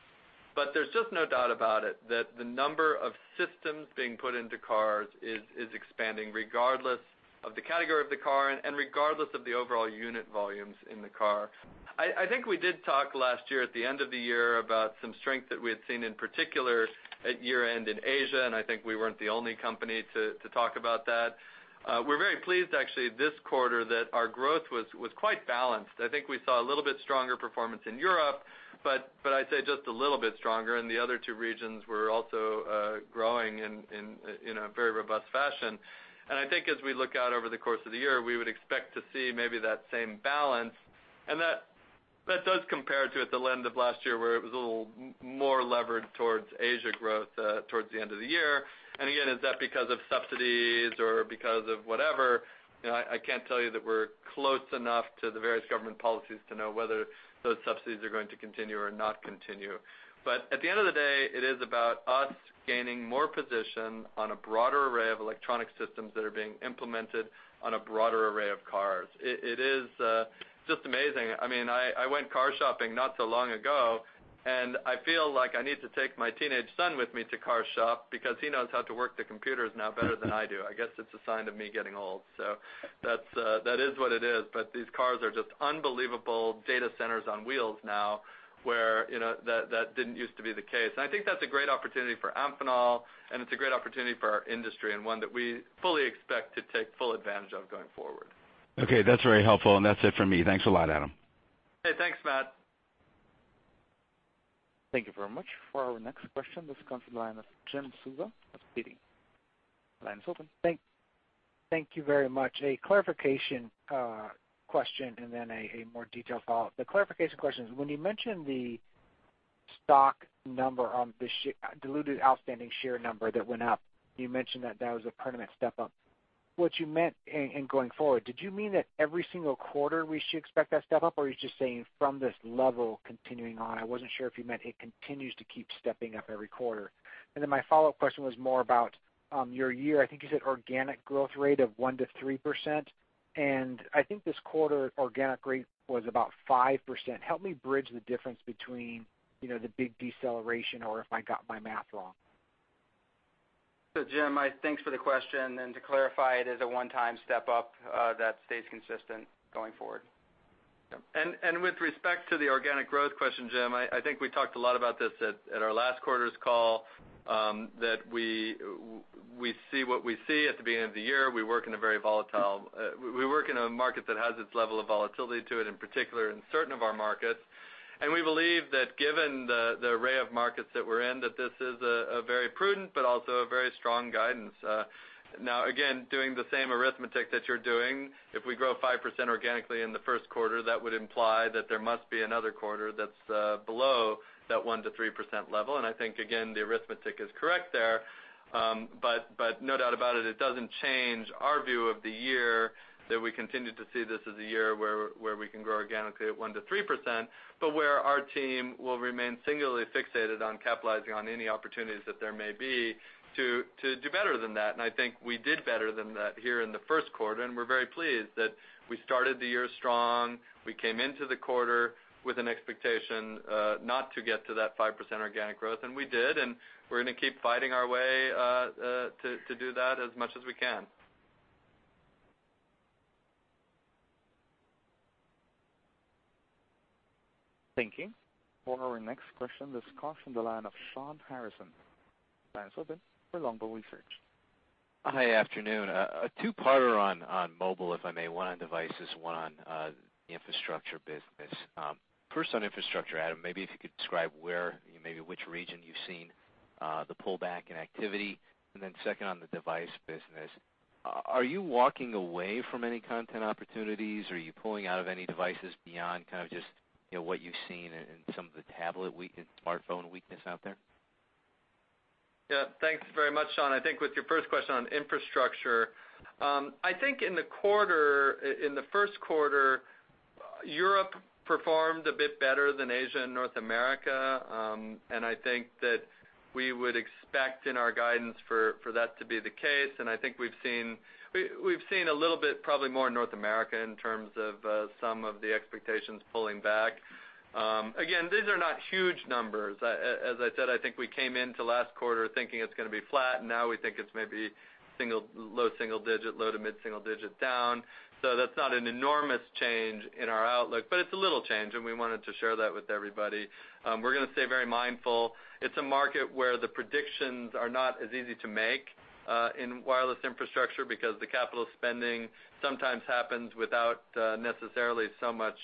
But there's just no doubt about it that the number of systems being put into cars is expanding regardless of the category of the car and regardless of the overall unit volumes in the car. I think we did talk last year at the end of the year about some strength that we had seen in particular at year-end in Asia, and I think we weren't the only company to talk about that. We're very pleased, actually, this quarter that our growth was quite balanced. I think we saw a little bit stronger performance in Europe, but I say just a little bit stronger, and the other two regions were also growing in a very robust fashion. And I think as we look out over the course of the year, we would expect to see maybe that same balance. And that does compare to at the end of last year where it was a little more levered towards Asia growth towards the end of the year. And again, is that because of subsidies or because of whatever? I can't tell you that we're close enough to the various government policies to know whether those subsidies are going to continue or not continue. But at the end of the day, it is about us gaining more position on a broader array of electronic systems that are being implemented on a broader array of cars. It is just amazing. I mean, I went car shopping not so long ago, and I feel like I need to take my teenage son with me to car shop because he knows how to work the computers now better than I do. I guess it's a sign of me getting old. So that is what it is. But these cars are just unbelievable data centers on wheels now where that didn't used to be the case. And I think that's a great opportunity for Amphenol, and it's a great opportunity for our industry and one that we fully expect to take full advantage of going forward. Okay. That's very helpful, and that's it for me. Thanks a lot, Adam. Hey, thanks, Matt. Thank you very much. For our next question, this comes from the line of Jim Suva. The line is open. Thank you very much. A clarification question and then a more detailed follow-up. The clarification question is, when you mentioned the stock number on the diluted outstanding share number that went up, you mentioned that that was a permanent step up. What you meant in going forward, did you mean that every single quarter we should expect that step up, or are you just saying from this level continuing on? I wasn't sure if you meant it continues to keep stepping up every quarter. Then my follow-up question was more about your year. I think you said organic growth rate of 1%-3%, and I think this quarter organic rate was about 5%. Help me bridge the difference between the big deceleration or if I got my math wrong. So Jim, thanks for the question. To clarify, it is a one-time step up that stays consistent going forward. With respect to the organic growth question, Jim, I think we talked a lot about this at our last quarter's call, that we see what we see at the beginning of the year. We work in a very volatile market that has its level of volatility to it, in particular in certain of our markets. We believe that given the array of markets that we're in, that this is a very prudent but also a very strong guidance. Now, again, doing the same arithmetic that you're doing, if we grow 5% organically in the first quarter, that would imply that there must be another quarter that's below that 1%-3% level. I think, again, the arithmetic is correct there. But no doubt about it, it doesn't change our view of the year that we continue to see this as a year where we can grow organically at 1%-3%, but where our team will remain singularly fixated on capitalizing on any opportunities that there may be to do better than that. I think we did better than that here in the first quarter, and we're very pleased that we started the year strong. We came into the quarter with an expectation not to get to that 5% organic growth, and we did, and we're going to keep fighting our way to do that as much as we can. Thank you. For our next question, this comes from the line of Shawn Harrison. The line is open for Longbow Research. Hi, afternoon. A two-parter on mobile, if I may, one on devices, one on infrastructure business. First on infrastructure, Adam, maybe if you could describe where you maybe which region you've seen the pullback in activity, and then second on the device business. Are you walking away from any content opportunities, or are you pulling out of any devices beyond kind of just what you've seen in some of the tablet weakness, smartphone weakness out there? Yeah. Thanks very much, Shawn. I think with your first question on infrastructure, I think in the quarter, in the first quarter, Europe performed a bit better than Asia and North America, and I think that we would expect in our guidance for that to be the case. I think we've seen a little bit, probably more in North America in terms of some of the expectations pulling back. Again, these are not huge numbers. As I said, I think we came into last quarter thinking it's going to be flat, and now we think it's maybe low single digit, low to mid single digit down. That's not an enormous change in our outlook, but it's a little change, and we wanted to share that with everybody. We're going to stay very mindful. It's a market where the predictions are not as easy to make in wireless infrastructure because the capital spending sometimes happens without necessarily so much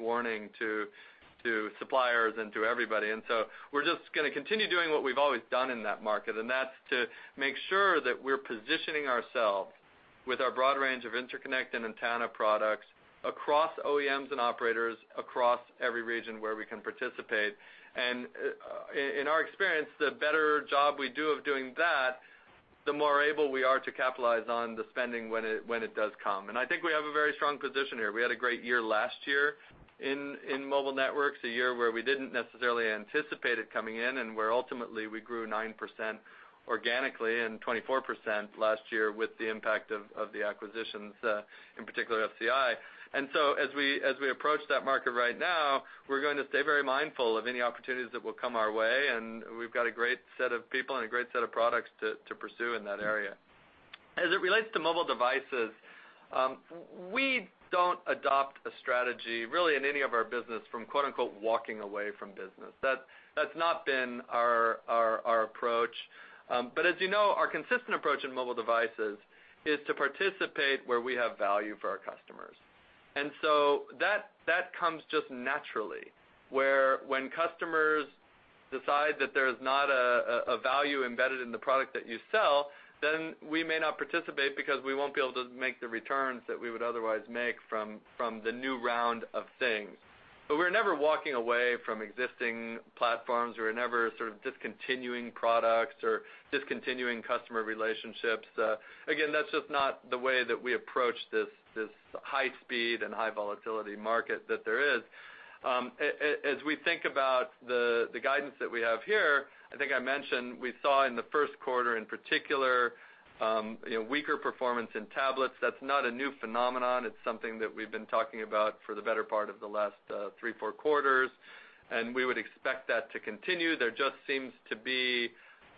warning to suppliers and to everybody. So we're just going to continue doing what we've always done in that market, and that's to make sure that we're positioning ourselves with our broad range of interconnect and antenna products across OEMs and operators across every region where we can participate. In our experience, the better job we do of doing that, the more able we are to capitalize on the spending when it does come. I think we have a very strong position here. We had a great year last year in mobile networks, a year where we didn't necessarily anticipate it coming in, and where ultimately we grew 9% organically and 24% last year with the impact of the acquisitions, in particular FCI. And so as we approach that market right now, we're going to stay very mindful of any opportunities that will come our way, and we've got a great set of people and a great set of products to pursue in that area. As it relates to mobile devices, we don't adopt a strategy, really in any of our business, from "walking away from business." That's not been our approach. But as you know, our consistent approach in mobile devices is to participate where we have value for our customers. And so that comes just naturally, where when customers decide that there is not a value embedded in the product that you sell, then we may not participate because we won't be able to make the returns that we would otherwise make from the new round of things. But we're never walking away from existing platforms. We're never sort of discontinuing products or discontinuing customer relationships. Again, that's just not the way that we approach this high-speed and high-volatility market that there is. As we think about the guidance that we have here, I think I mentioned we saw in the first quarter, in particular, weaker performance in tablets. That's not a new phenomenon. It's something that we've been talking about for the better part of the last three, four quarters, and we would expect that to continue. There just seems to be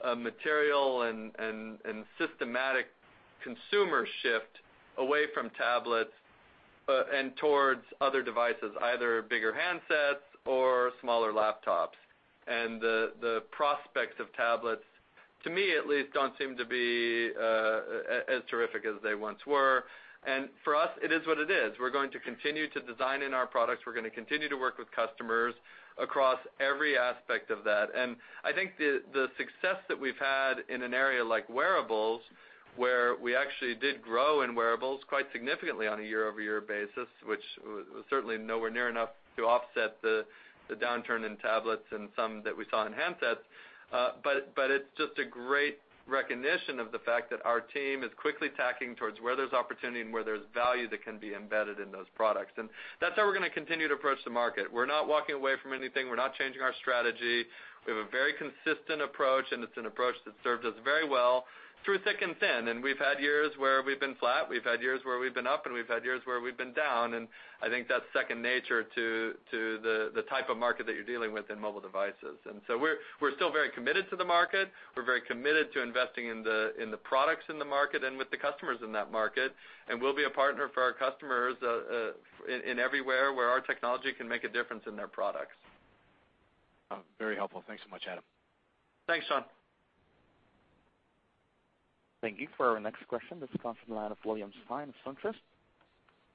a material and systematic consumer shift away from tablets and towards other devices, either bigger handsets or smaller laptops. And the prospects of tablets, to me at least, don't seem to be as terrific as they once were. And for us, it is what it is. We're going to continue to design in our products. We're going to continue to work with customers across every aspect of that. And I think the success that we've had in an area like wearables, where we actually did grow in wearables quite significantly on a year-over-year basis, which was certainly nowhere near enough to offset the downturn in tablets and some that we saw in handsets, but it's just a great recognition of the fact that our team is quickly tacking towards where there's opportunity and where there's value that can be embedded in those products. And that's how we're going to continue to approach the market. We're not walking away from anything. We're not changing our strategy. We have a very consistent approach, and it's an approach that's served us very well through thick and thin. And we've had years where we've been flat. We've had years where we've been up, and we've had years where we've been down. And I think that's second nature to the type of market that you're dealing with in mobile devices. And so we're still very committed to the market. We're very committed to investing in the products in the market and with the customers in that market. And we'll be a partner for our customers in everywhere where our technology can make a difference in their products. Very helpful. Thanks so much, Adam. Thanks, Shawn. Thank you. For our next question, this comes from the line of William Stein of SunTrust.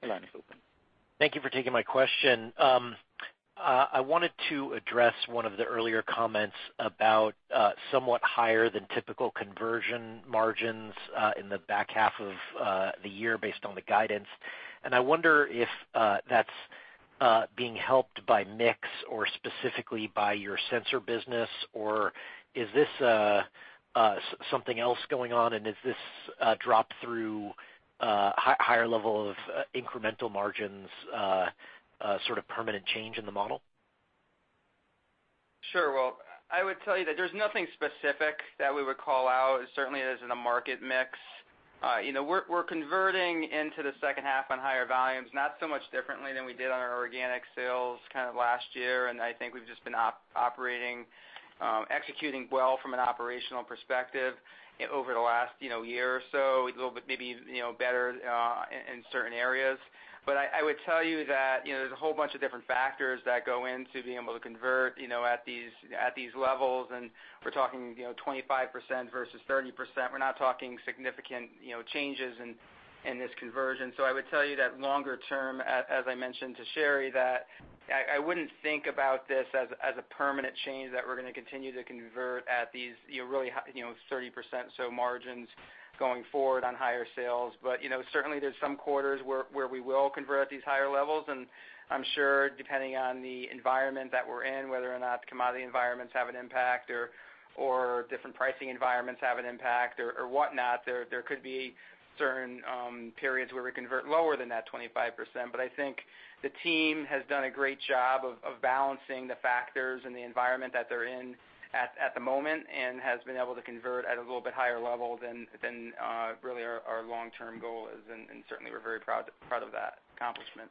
Your line is open. Thank you for taking my question. I wanted to address one of the earlier comments about somewhat higher than typical conversion margins in the back half of the year based on the guidance. And I wonder if that's being helped by mix or specifically by your sensor business, or is this something else going on, and is this dropped through higher level of incremental margins, sort of permanent change in the model? Sure. Well, I would tell you that there's nothing specific that we would call out. Certainly, there's a market mix. We're converting into the second half on higher volumes, not so much differently than we did on our organic sales kind of last year. I think we've just been operating, executing well from an operational perspective over the last year or so, a little bit maybe better in certain areas. But I would tell you that there's a whole bunch of different factors that go into being able to convert at these levels. And we're talking 25% versus 30%. We're not talking significant changes in this conversion. So I would tell you that longer term, as I mentioned to Sherri, that I wouldn't think about this as a permanent change that we're going to continue to convert at these really 30% or so margins going forward on higher sales. But certainly, there's some quarters where we will convert at these higher levels. I'm sure depending on the environment that we're in, whether or not commodity environments have an impact or different pricing environments have an impact or whatnot, there could be certain periods where we convert lower than that 25%. But I think the team has done a great job of balancing the factors and the environment that they're in at the moment and has been able to convert at a little bit higher level than really our long-term goal is. And certainly, we're very proud of that accomplishment.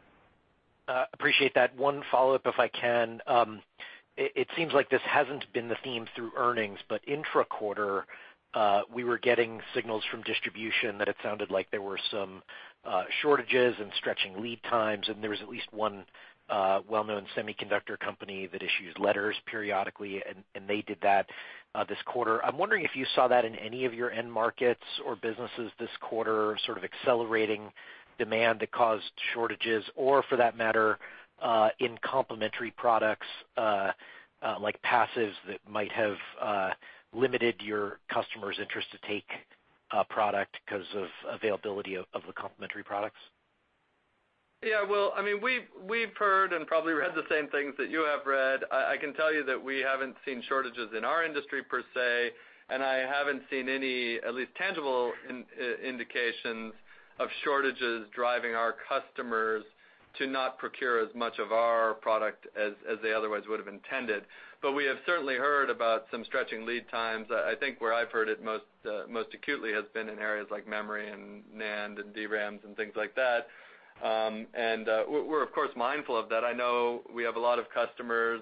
Appreciate that. One follow-up, if I can. It seems like this hasn't been the theme through earnings, but intra-quarter, we were getting signals from distribution that it sounded like there were some shortages and stretching lead times. And there was at least one well-known semiconductor company that issues letters periodically, and they did that this quarter. I'm wondering if you saw that in any of your end markets or businesses this quarter, sort of accelerating demand that caused shortages or, for that matter, in complementary products like passives that might have limited your customers' interest to take a product because of availability of the complementary products? Yeah. Well, I mean, we've heard and probably read the same things that you have read. I can tell you that we haven't seen shortages in our industry per se, and I haven't seen any, at least tangible indications, of shortages driving our customers to not procure as much of our product as they otherwise would have intended. But we have certainly heard about some stretching lead times. I think where I've heard it most acutely has been in areas like memory and NAND and DRAMs and things like that. And we're, of course, mindful of that. I know we have a lot of customers,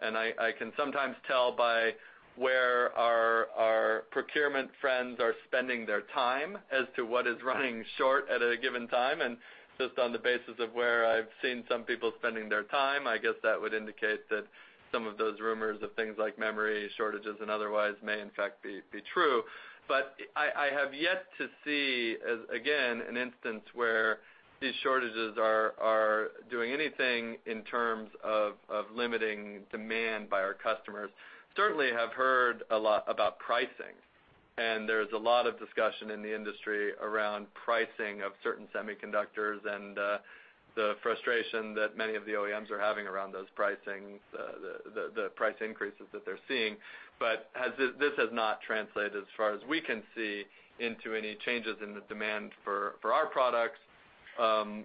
and I can sometimes tell by where our procurement friends are spending their time as to what is running short at a given time. And just on the basis of where I've seen some people spending their time, I guess that would indicate that some of those rumors of things like memory shortages and otherwise may, in fact, be true. But I have yet to see, again, an instance where these shortages are doing anything in terms of limiting demand by our customers. Certainly, I have heard a lot about pricing, and there is a lot of discussion in the industry around pricing of certain semiconductors and the frustration that many of the OEMs are having around those pricings, the price increases that they're seeing. But this has not translated, as far as we can see, into any changes in the demand for our products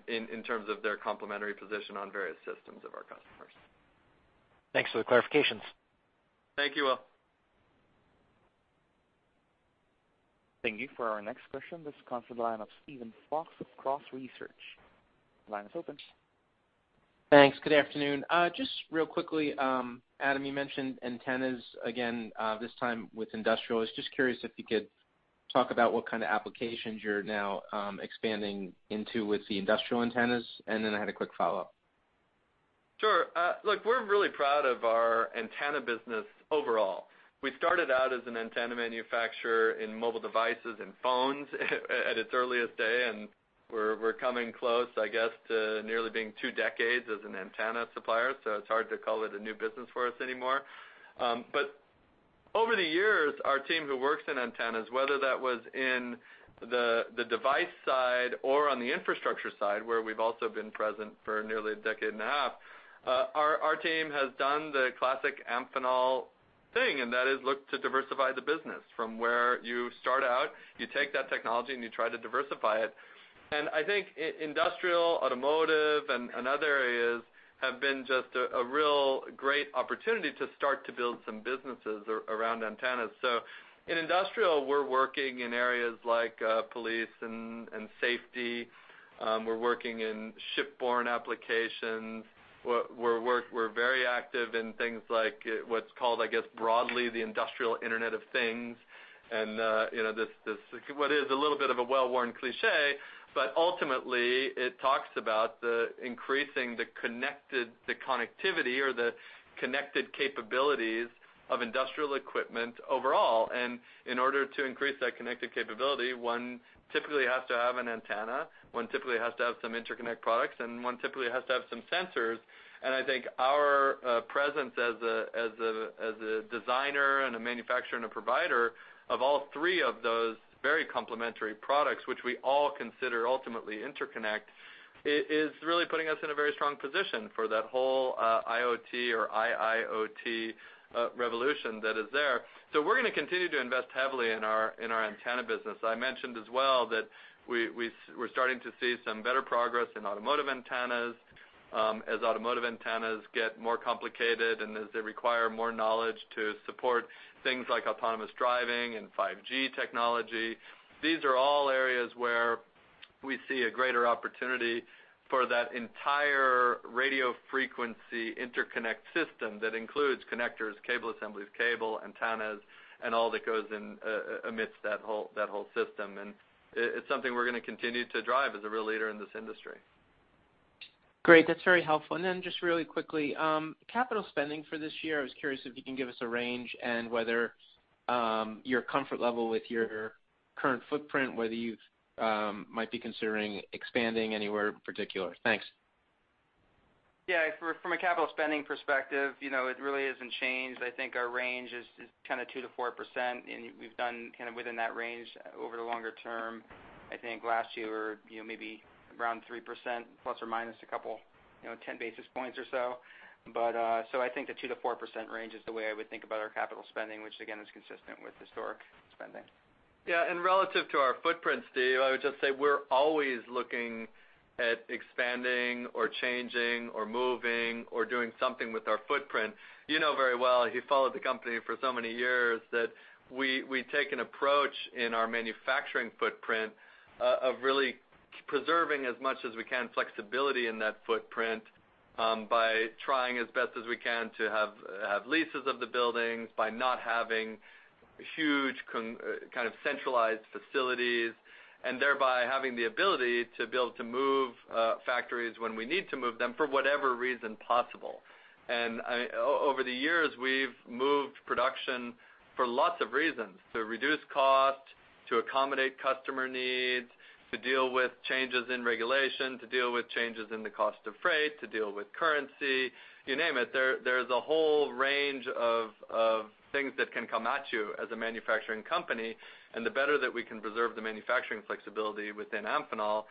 in terms of their complementary position on various systems of our customers. Thanks for the clarifications. Thank you all. Thank you. For our next question, this comes from the line of Steven Fox of Cross Research. The line is open. Thanks. Good afternoon. Just real quickly, Adam, you mentioned antennas, again, this time with industrial. I was just curious if you could talk about what kind of applications you're now expanding into with the industrial antennas, and then I had a quick follow-up. Sure. Look, we're really proud of our antenna business overall. We started out as an antenna manufacturer in mobile devices and phones at its earliest day, and we're coming close, I guess, to nearly being two decades as an antenna supplier. So it's hard to call it a new business for us anymore. But over the years, our team who works in antennas, whether that was in the device side or on the infrastructure side, where we've also been present for nearly a decade and a half, our team has done the classic Amphenol thing, and that is look to diversify the business from where you start out. You take that technology, and you try to diversify it. And I think industrial, automotive, and other areas have been just a real great opportunity to start to build some businesses around antennas. So in industrial, we're working in areas like police and safety. We're working in ship-borne applications. We're very active in things like what's called, I guess, broadly, the Industrial Internet of Things. This is what is a little bit of a well-worn cliché, but ultimately, it talks about increasing the connectivity or the connected capabilities of industrial equipment overall. In order to increase that connected capability, one typically has to have an antenna. One typically has to have some interconnect products, and one typically has to have some sensors. I think our presence as a designer and a manufacturer and a provider of all three of those very complementary products, which we all consider ultimately interconnect, is really putting us in a very strong position for that whole IoT or IIoT revolution that is there. We're going to continue to invest heavily in our antenna business. I mentioned as well that we're starting to see some better progress in automotive antennas as automotive antennas get more complicated and as they require more knowledge to support things like autonomous driving and 5G technology. These are all areas where we see a greater opportunity for that entire radio frequency interconnect system that includes connectors, cable assemblies, cable, antennas, and all that goes amidst that whole system. And it's something we're going to continue to drive as a real leader in this industry. Great. That's very helpful. And then just really quickly, capital spending for this year, I was curious if you can give us a range and whether your comfort level with your current footprint, whether you might be considering expanding anywhere in particular. Thanks. Yeah. From a capital spending perspective, it really hasn't changed. I think our range is kind of 2%-4%, and we've done kind of within that range over the longer term. I think last year, maybe around 3% plus or minus a couple of 10 basis points or so. But so I think the 2%-4% range is the way I would think about our capital spending, which, again, is consistent with historic spending. Yeah. And relative to our footprints, Steve, I would just say we're always looking at expanding or changing or moving or doing something with our footprint. You know very well, if you followed the company for so many years, that we take an approach in our manufacturing footprint of really preserving as much as we can flexibility in that footprint by trying as best as we can to have leases of the buildings, by not having huge kind of centralized facilities, and thereby having the ability to be able to move factories when we need to move them for whatever reason possible. And over the years, we've moved production for lots of reasons: to reduce cost, to accommodate customer needs, to deal with changes in regulation, to deal with changes in the cost of freight, to deal with currency, you name it. There is a whole range of things that can come at you as a manufacturing company. And the better that we can preserve the manufacturing flexibility within Amphenol,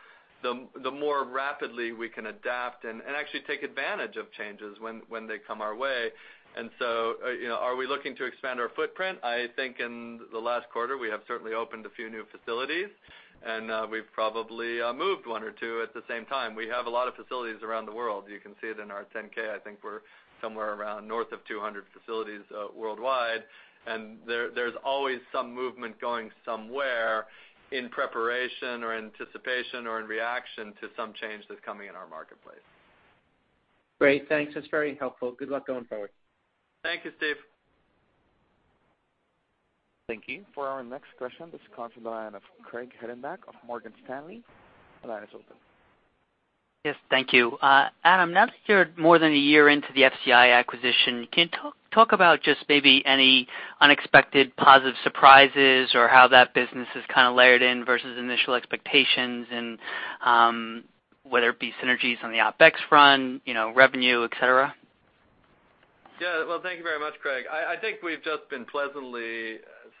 the more rapidly we can adapt and actually take advantage of changes when they come our way. And so are we looking to expand our footprint? I think in the last quarter, we have certainly opened a few new facilities, and we've probably moved one or two at the same time. We have a lot of facilities around the world. You can see it in our 10-K. I think we're somewhere around north of 200 facilities worldwide. And there's always some movement going somewhere in preparation or anticipation or in reaction to some change that's coming in our marketplace. Great. Thanks. That's very helpful. Good luck going forward. Thank you, Steve. Thank you. For our next question, this comes from the line of Craig Hettenbach of Morgan Stanley. The line is open. Yes. Thank you. Adam, now that you're more than a year into the FCI acquisition, can you talk about just maybe any unexpected positive surprises or how that business is kind of layered in versus initial expectations and whether it be synergies on the OpEx front, revenue, etc.? Yeah. Well, thank you very much, Craig. I think we've just been pleasantly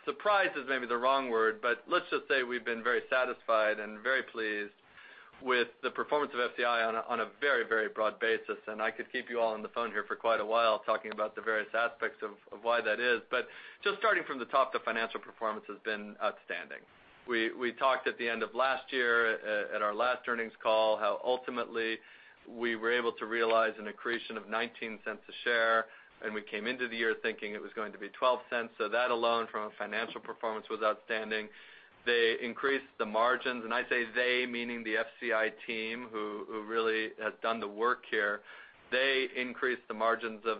surprised is maybe the wrong word, but let's just say we've been very satisfied and very pleased with the performance of FCI on a very, very broad basis. I could keep you all on the phone here for quite a while talking about the various aspects of why that is. But just starting from the top, the financial performance has been outstanding. We talked at the end of last year at our last earnings call how ultimately we were able to realize an accretion of $0.19 a share, and we came into the year thinking it was going to be $0.12. So that alone from a financial performance was outstanding. They increased the margins. And I say they, meaning the FCI team who really has done the work here, they increased the margins of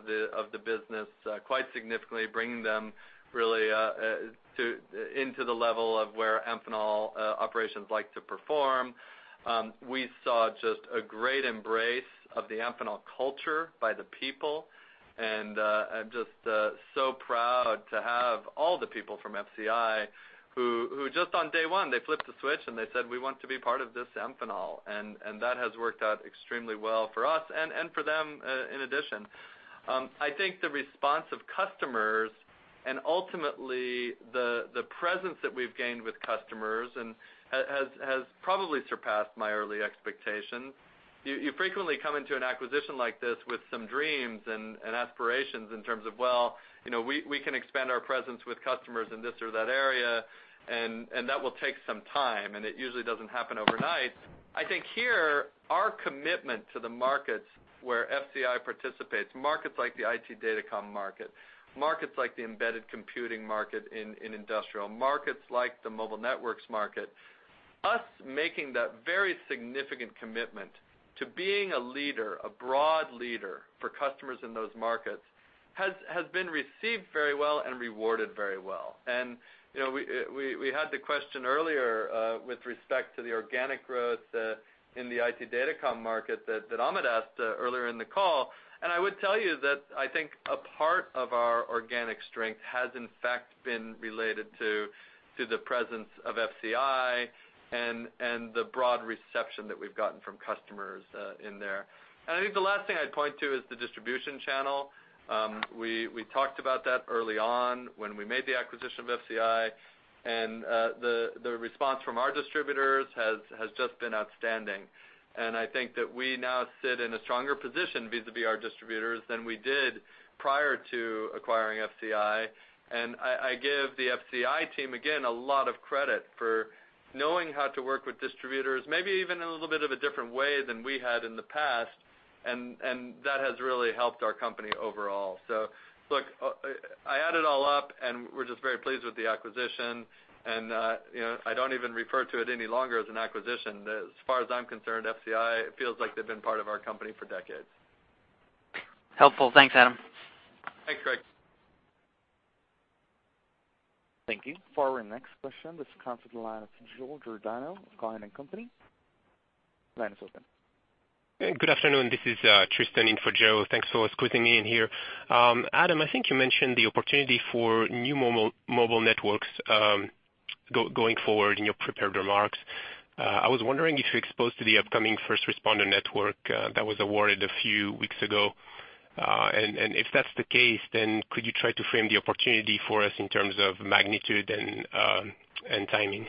the business quite significantly, bringing them really into the level of where Amphenol operations like to perform. We saw just a great embrace of the Amphenol culture by the people. And I'm just so proud to have all the people from FCI who just on day one, they flipped the switch and they said, "We want to be part of this Amphenol." And that has worked out extremely well for us and for them in addition. I think the response of customers and ultimately the presence that we've gained with customers has probably surpassed my early expectations. You frequently come into an acquisition like this with some dreams and aspirations in terms of, "Well, we can expand our presence with customers in this or that area, and that will take some time, and it usually doesn't happen overnight." I think here our commitment to the markets where FCI participates, markets like the IT datacom market, markets like the embedded computing market in industrial, markets like the mobile networks market, us making that very significant commitment to being a leader, a broad leader for customers in those markets has been received very well and rewarded very well. And we had the question earlier with respect to the organic growth in the IT datacom market that Amit asked earlier in the call. And I would tell you that I think a part of our organic strength has in fact been related to the presence of FCI and the broad reception that we've gotten from customers in there. And I think the last thing I'd point to is the distribution channel. We talked about that early on when we made the acquisition of FCI, and the response from our distributors has just been outstanding. And I think that we now sit in a stronger position vis-à-vis our distributors than we did prior to acquiring FCI. And I give the FCI team, again, a lot of credit for knowing how to work with distributors, maybe even in a little bit of a different way than we had in the past, and that has really helped our company overall. So look, I add it all up, and we're just very pleased with the acquisition.I don't even refer to it any longer as an acquisition. As far as I'm concerned, FCI feels like they've been part of our company for decades. Helpful. Thanks, Adam. Thanks, Craig. Thank you. For our next question, this comes from the line of Joseph Giordano, Cowen and Company. The line is open. Good afternoon. This is Tristan in for Joe. Thanks for squeezing me in here. Adam, I think you mentioned the opportunity for new mobile networks going forward in your prepared remarks. I was wondering if you're exposed to the upcoming First Responder Network that was awarded a few weeks ago. And if that's the case, then could you try to frame the opportunity for us in terms of magnitude and timing?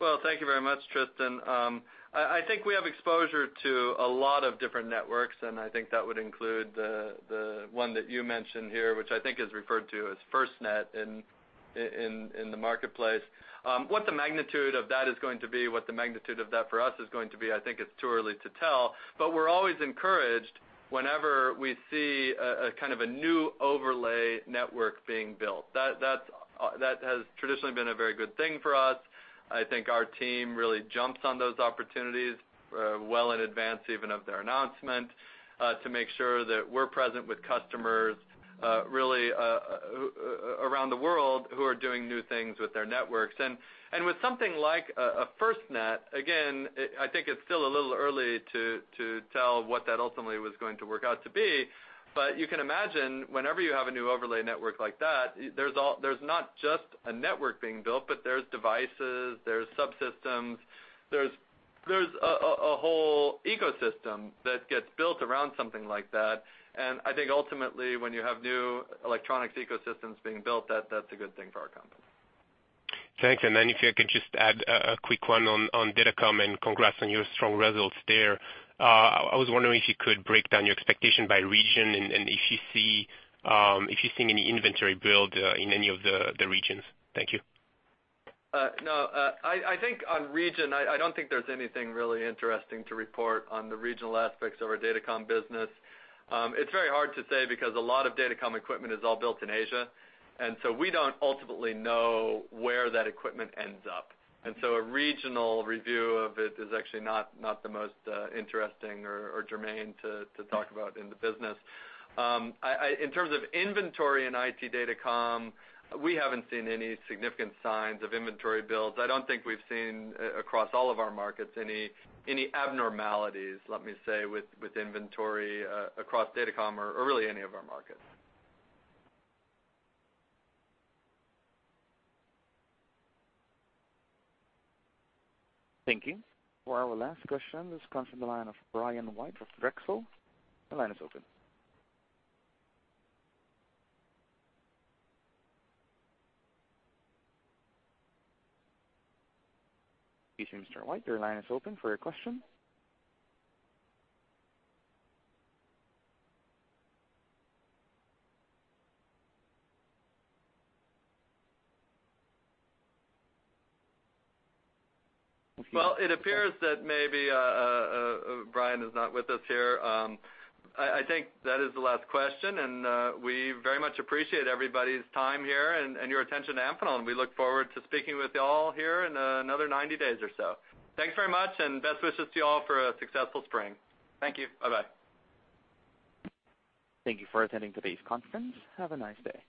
Well, thank you very much, Tristan. I think we have exposure to a lot of different networks, and I think that would include the one that you mentioned here, which I think is referred to as FirstNet in the marketplace. What the magnitude of that is going to be, what the magnitude of that for us is going to be, I think it's too early to tell. But we're always encouraged whenever we see kind of a new overlay network being built. That has traditionally been a very good thing for us. I think our team really jumps on those opportunities well in advance even of their announcement to make sure that we're present with customers really around the world who are doing new things with their networks. And with something like a FirstNet, again, I think it's still a little early to tell what that ultimately was going to work out to be. But you can imagine whenever you have a new overlay network like that, there's not just a network being built, but there's devices, there's subsystems, there's a whole ecosystem that gets built around something like that. And I think ultimately, when you have new electronics ecosystems being built, that's a good thing for our company. Thanks. And then if you could just add a quick one on datacom and congrats on your strong results there. I was wondering if you could break down your expectation by region and if you see any inventory build in any of the regions. Thank you. No. I think on region, I don't think there's anything really interesting to report on the regional aspects of our datacom business. It's very hard to say because a lot of datacom equipment is all built in Asia. We don't ultimately know where that equipment ends up. A regional review of it is actually not the most interesting or germane to talk about in the business. In terms of inventory and IT datacom, we haven't seen any significant signs of inventory builds. I don't think we've seen across all of our markets any abnormalities, let me say, with inventory across datacom or really any of our markets. Thank you. For our last question, this comes from the line of Brian White of Drexel. The line is open. Excuse me, Mr. White. Your line is open for your question. Well, it appears that maybe Brian is not with us here. I think that is the last question, and we very much appreciate everybody's time here and your attention to Amphenol. We look forward to speaking with you all here in another 90 days or so. Thanks very much, and best wishes to you all for a successful spring. Thank you. Bye-bye. Thank you for attending today's conference. Have a nice day.